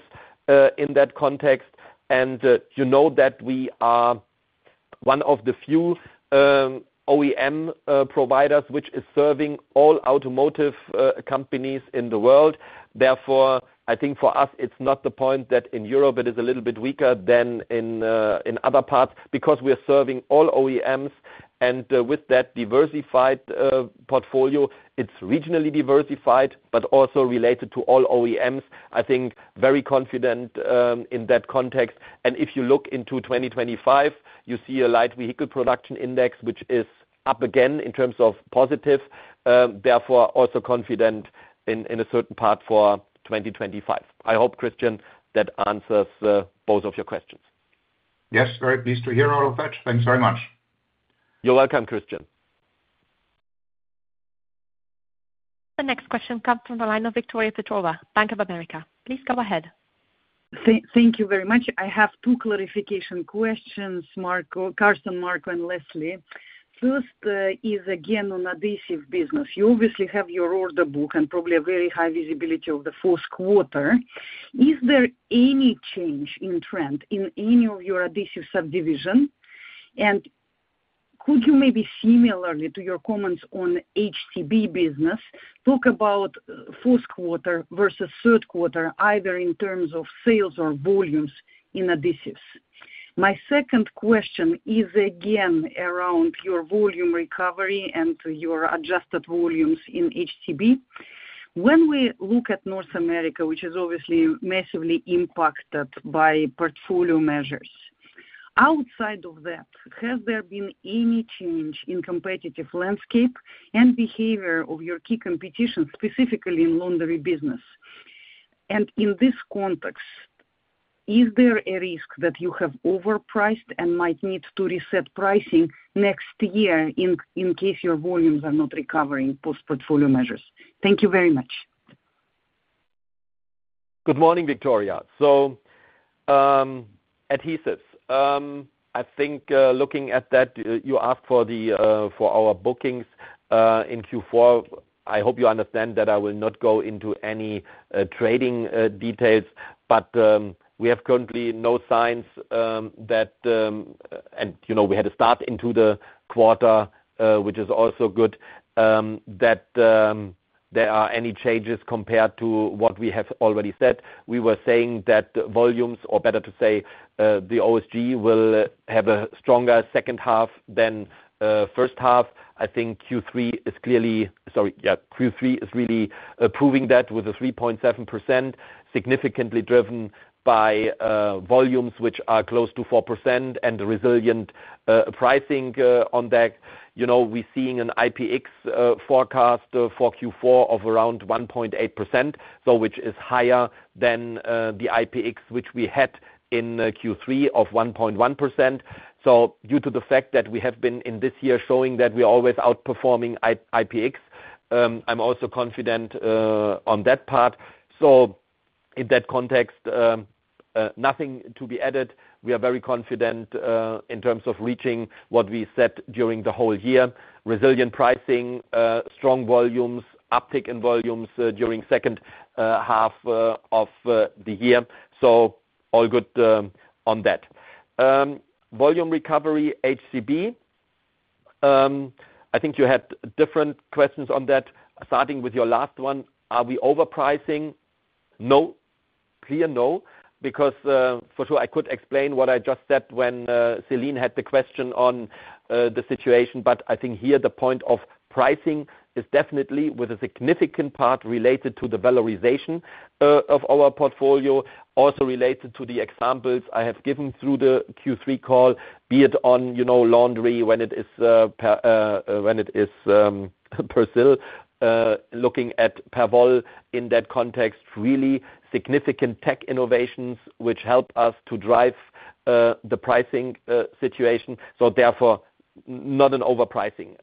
in that context. And you know that we are one of the few OEM providers which is serving all automotive companies in the world. Therefore, I think for us, it's not the point that in Europe it is a little bit weaker than in other parts because we are serving all OEMs. And with that diversified portfolio, it's regionally diversified, but also related to all OEMs. I think very confident in that context. And if you look into 2025, you see a light vehicle production index, which is up again in terms of positive. Therefore, also confident in a certain part for 2025. I hope, Christian, that answers both of your questions. Yes, very pleased to hear all of that. Thanks very much. You're welcome, Christian. The next question comes from the line of Victoria Petrova, Bank of America. Please go ahead. Thank you very much. I have two clarification questions, Carsten, Marco, and Leslie. First is again on Adhesives business. You obviously have your order book and probably a very high visibility of the fourth quarter. Is there any change in trend in any of your Adhesives subdivisions? And could you maybe similarly to your comments on the CB business, talk about fourth quarter versus third quarter, either in terms of sales or volumes in Adhesives? My second question is again around your volume recovery and your adjusted volumes in CB. When we look at North America, which is obviously massively impacted by portfolio measures, outside of that, has there been any change in competitive landscape and behavior of your key competitors, specifically in laundry business? In this context, is there a risk that you have overpriced and might need to reset pricing next year in case your volumes are not recovering post-portfolio measures? Thank you very much. Good morning, Victoria. Adhesives, I think looking at that, you asked for our bookings in Q4. I hope you understand that I will not go into any trading details, but we have currently no signs that, and we had a start into the quarter, which is also good, that there are any changes compared to what we have already said. We were saying that volumes, or better to say the OSG, will have a stronger second half than first half. I think Q3 is clearly, sorry, yeah, Q3 is really proving that with a 3.7%, significantly driven by volumes which are close to 4% and resilient pricing on that. We're seeing an IPX forecast for Q4 of around 1.8%, which is higher than the IPX which we had in Q3 of 1.1%, so due to the fact that we have been in this year showing that we're always outperforming IPX, I'm also confident on that part, so in that context, nothing to be added. We are very confident in terms of reaching what we set during the whole year. Resilient pricing, strong volumes, uptick in volumes during second half of the year, so all good on that. Volume recovery HCB, I think you had different questions on that. Starting with your last one, are we overpricing? No. Clear no. Because for sure, I could explain what I just said when Celine had the question on the situation, but I think here the point of pricing is definitely with a significant part related to the valorization of our portfolio, also related to the examples I have given through the Q3 call, be it on laundry when it is Persil, looking at Perwoll in that context, really significant tech innovations which help us to drive the pricing situation. So therefore, not an overpricing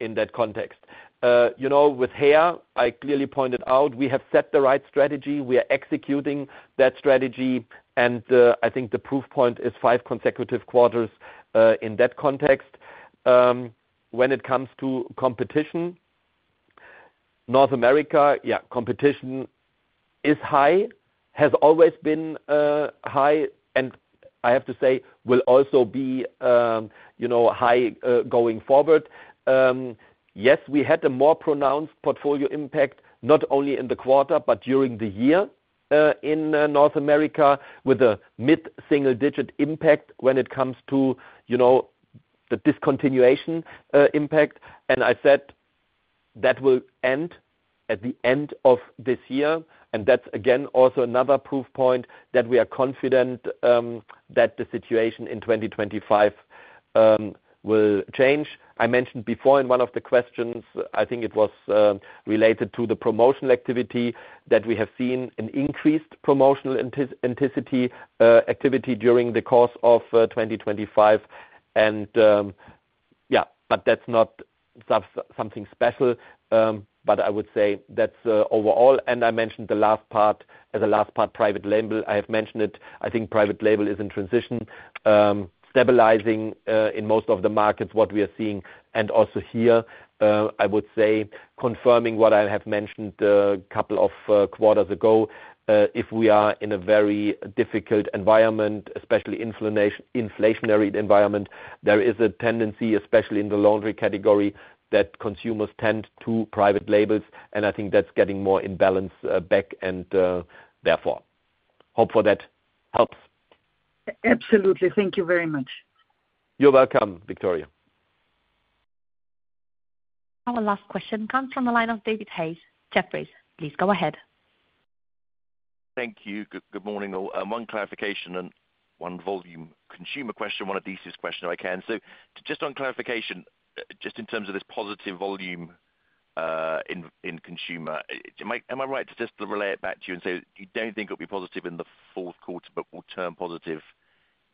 in that context. With hair, I clearly pointed out we have set the right strategy. We are executing that strategy. And I think the proof point is five consecutive quarters in that context. When it comes to competition, North America, yeah, competition is high, has always been high, and I have to say will also be high going forward. Yes, we had a more pronounced portfolio impact, not only in the quarter, but during the year in North America with a mid-single-digit impact when it comes to the discontinuation impact. And I said that will end at the end of this year. And that's again also another proof point that we are confident that the situation in 2025 will change. I mentioned before in one of the questions, I think it was related to the promotional activity that we have seen an increased promotional activity during the course of 2025. And yeah, but that's not something special, but I would say that's overall. And I mentioned the last part as a last part private label. I have mentioned it. I think private label is in transition, stabilizing in most of the markets what we are seeing. And also here, I would say confirming what I have mentioned a couple of quarters ago. If we are in a very difficult environment, especially inflationary environment, there is a tendency, especially in the laundry category, that consumers tend to private labels. And I think that's getting more in balance back and therefore, I hope that helps. Absolutely. Thank you very much. You're welcome, Victoria. Our last question comes from the line of David Hayes. Jefferies, please go ahead. Thank you. Good morning. One clarification and one volume consumer question, one adhesives question if I can. So just on clarification, just in terms of this positive volume in consumer, am I right to just relay it back to you and say you don't think it'll be positive in the fourth quarter, but will turn positive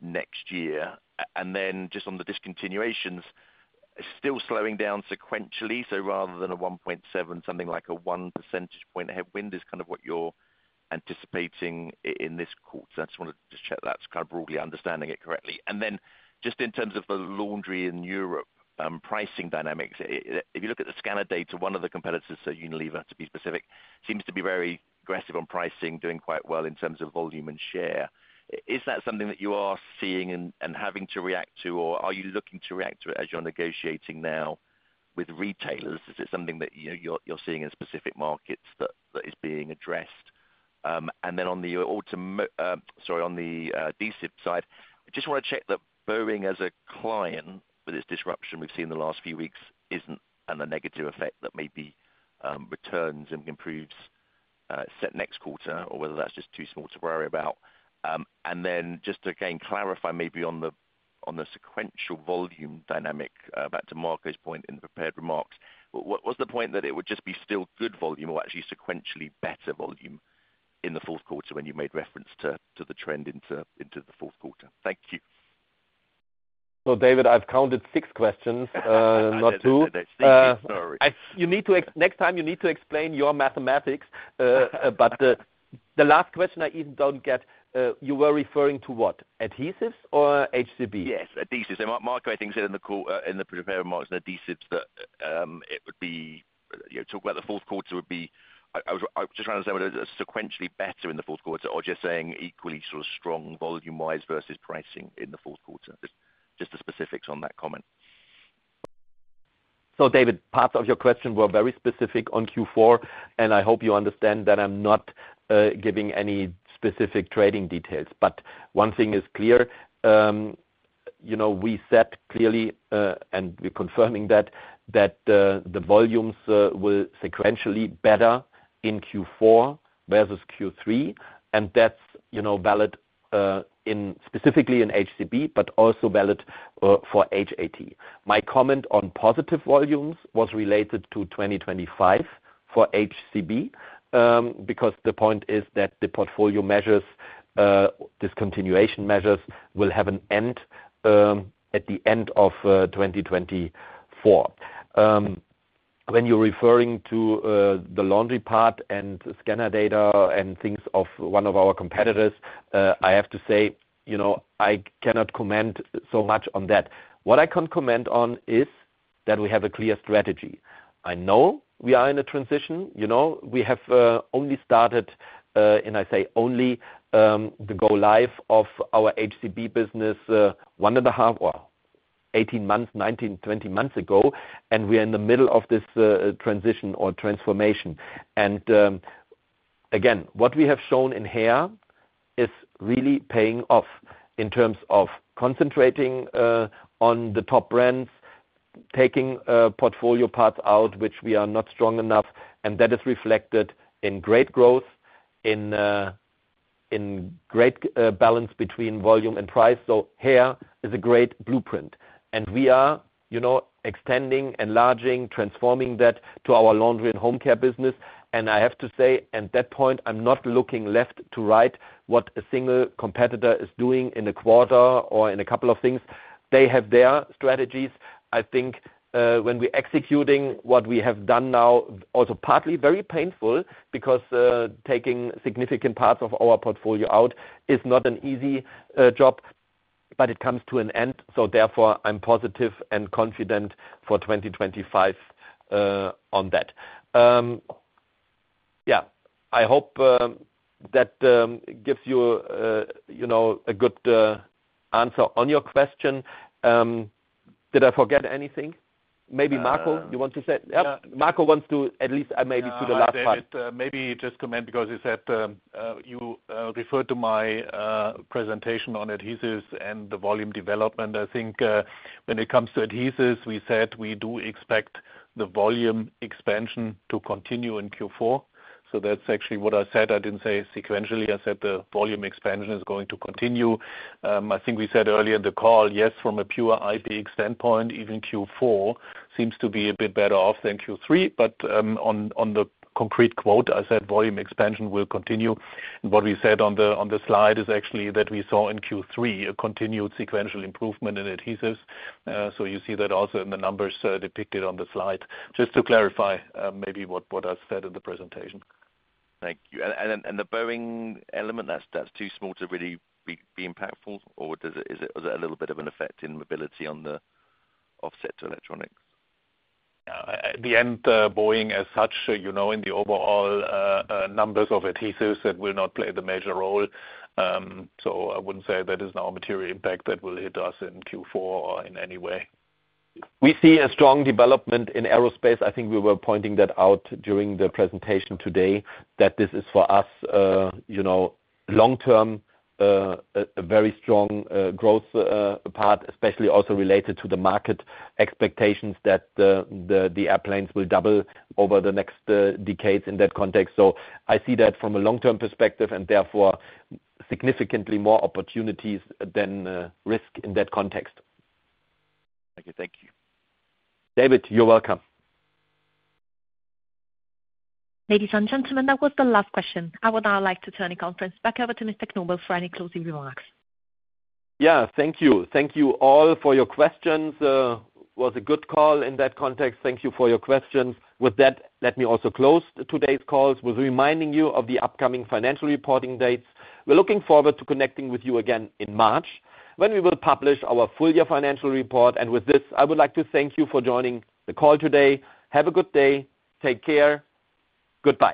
next year? And then just on the discontinuations, still slowing down sequentially. So rather than a 1.7, something like a 1 percentage point headwind is kind of what you're anticipating in this quarter. I just want to just check that's kind of broadly understanding it correctly. And then just in terms of the laundry in Europe pricing dynamics, if you look at the scanner data, one of the competitors, so Unilever, to be specific, seems to be very aggressive on pricing, doing quite well in terms of volume and share. Is that something that you are seeing and having to react to, or are you looking to react to it as you're negotiating now with retailers? Is it something that you're seeing in specific markets that is being addressed? And then on the auto, sorry, on the adhesives side, I just want to check that Boeing as a client with its disruption we've seen the last few weeks isn't and the negative effect that maybe returns and improves set next quarter or whether that's just too small to worry about. And then just to again clarify maybe on the sequential volume dynamic back to Marco's point in the prepared remarks, what was the point that it would just be still good volume or actually sequentially better volume in the fourth quarter when you made reference to the trend into the fourth quarter? Thank you. So David, I've counted six questions, not two. Sorry. Next time, you need to explain your mathematics. But the last question I even don't get, you were referring to what? Adhesives or HCB? Yes, adhesives. And Marco, I think said in the prepared remarks in Adhesives that it would be talking about the fourth quarter would be. I was just trying to understand whether it's sequentially better in the fourth quarter or just saying equally sort of strong volume-wise versus pricing in the fourth quarter. Just the specifics on that comment. So David, part of your question were very specific on Q4, and I hope you understand that I'm not giving any specific trading details. But one thing is clear. We said clearly, and we're confirming that, that the volumes will sequentially better in Q4 versus Q3. And that's valid specifically in HCB, but also valid for HAT. My comment on positive volumes was related to 2025 for HCB because the point is that the portfolio measures, discontinuation measures will have an end at the end of 2024. When you're referring to the laundry part and scanner data and things of one of our competitors, I have to say I cannot comment so much on that. What I can comment on is that we have a clear strategy. I know we are in a transition. We have only started, and I say only the go-live of our HCB business one and a half or 18 months, 19, 20 months ago, and we are in the middle of this transition or transformation. And again, what we have shown in hair is really paying off in terms of concentrating on the top brands, taking portfolio parts out, which we are not strong enough. And that is reflected in great growth, in great balance between volume and price. So hair is a great blueprint. And we are extending, enlarging, transforming that to our laundry and home care business. I have to say, at that point, I'm not looking left to right what a single competitor is doing in a quarter or in a couple of things. They have their strategies. I think when we're executing what we have done now, also partly very painful because taking significant parts of our portfolio out is not an easy job, but it comes to an end. So therefore, I'm positive and confident for 2025 on that. Yeah. I hope that gives you a good answer on your question. Did I forget anything? Maybe Marco, you want to say? Marco wants to at least maybe to the last part. Maybe just comment because you said you referred to my presentation on adhesives and the volume development. I think when it comes to adhesives, we said we do expect the volume expansion to continue in Q4. So that's actually what I said. I didn't say sequentially. I said the volume expansion is going to continue. I think we said earlier in the call, yes, from a pure IP standpoint, even Q4 seems to be a bit better off than Q3. But on the concrete quote, I said volume expansion will continue. And what we said on the slide is actually that we saw in Q3 a continued sequential improvement in Adhesives. So you see that also in the numbers depicted on the slide. Just to clarify maybe what I said in the presentation. Thank you. And the Boeing element, that's too small to really be impactful, or is it a little bit of an effect in mobility on the offset to electronics? At the end, Boeing as such, in the overall numbers of Adhesives, that will not play the major role. So, I wouldn't say that is our material impact that will hit us in Q4 or in any way. We see a strong development in aerospace. I think we were pointing that out during the presentation today that this is for us long-term a very strong growth part, especially also related to the market expectations that the airplanes will double over the next decades in that context. So, I see that from a long-term perspective and therefore significantly more opportunities than risk in that context. Thank you. Thank you, David, you're welcome. Ladies and gentlemen, that was the last question. I would now like to turn the conference back over to Mr. Knobel for any closing remarks. Yeah. Thank you. Thank you all for your questions. It was a good call in that context. Thank you for your questions. With that, let me also close today's calls with reminding you of the upcoming financial reporting dates. We're looking forward to connecting with you again in March when we will publish our full-year financial report. And with this, I would like to thank you for joining the call today. Have a good day. Take care. Goodbye.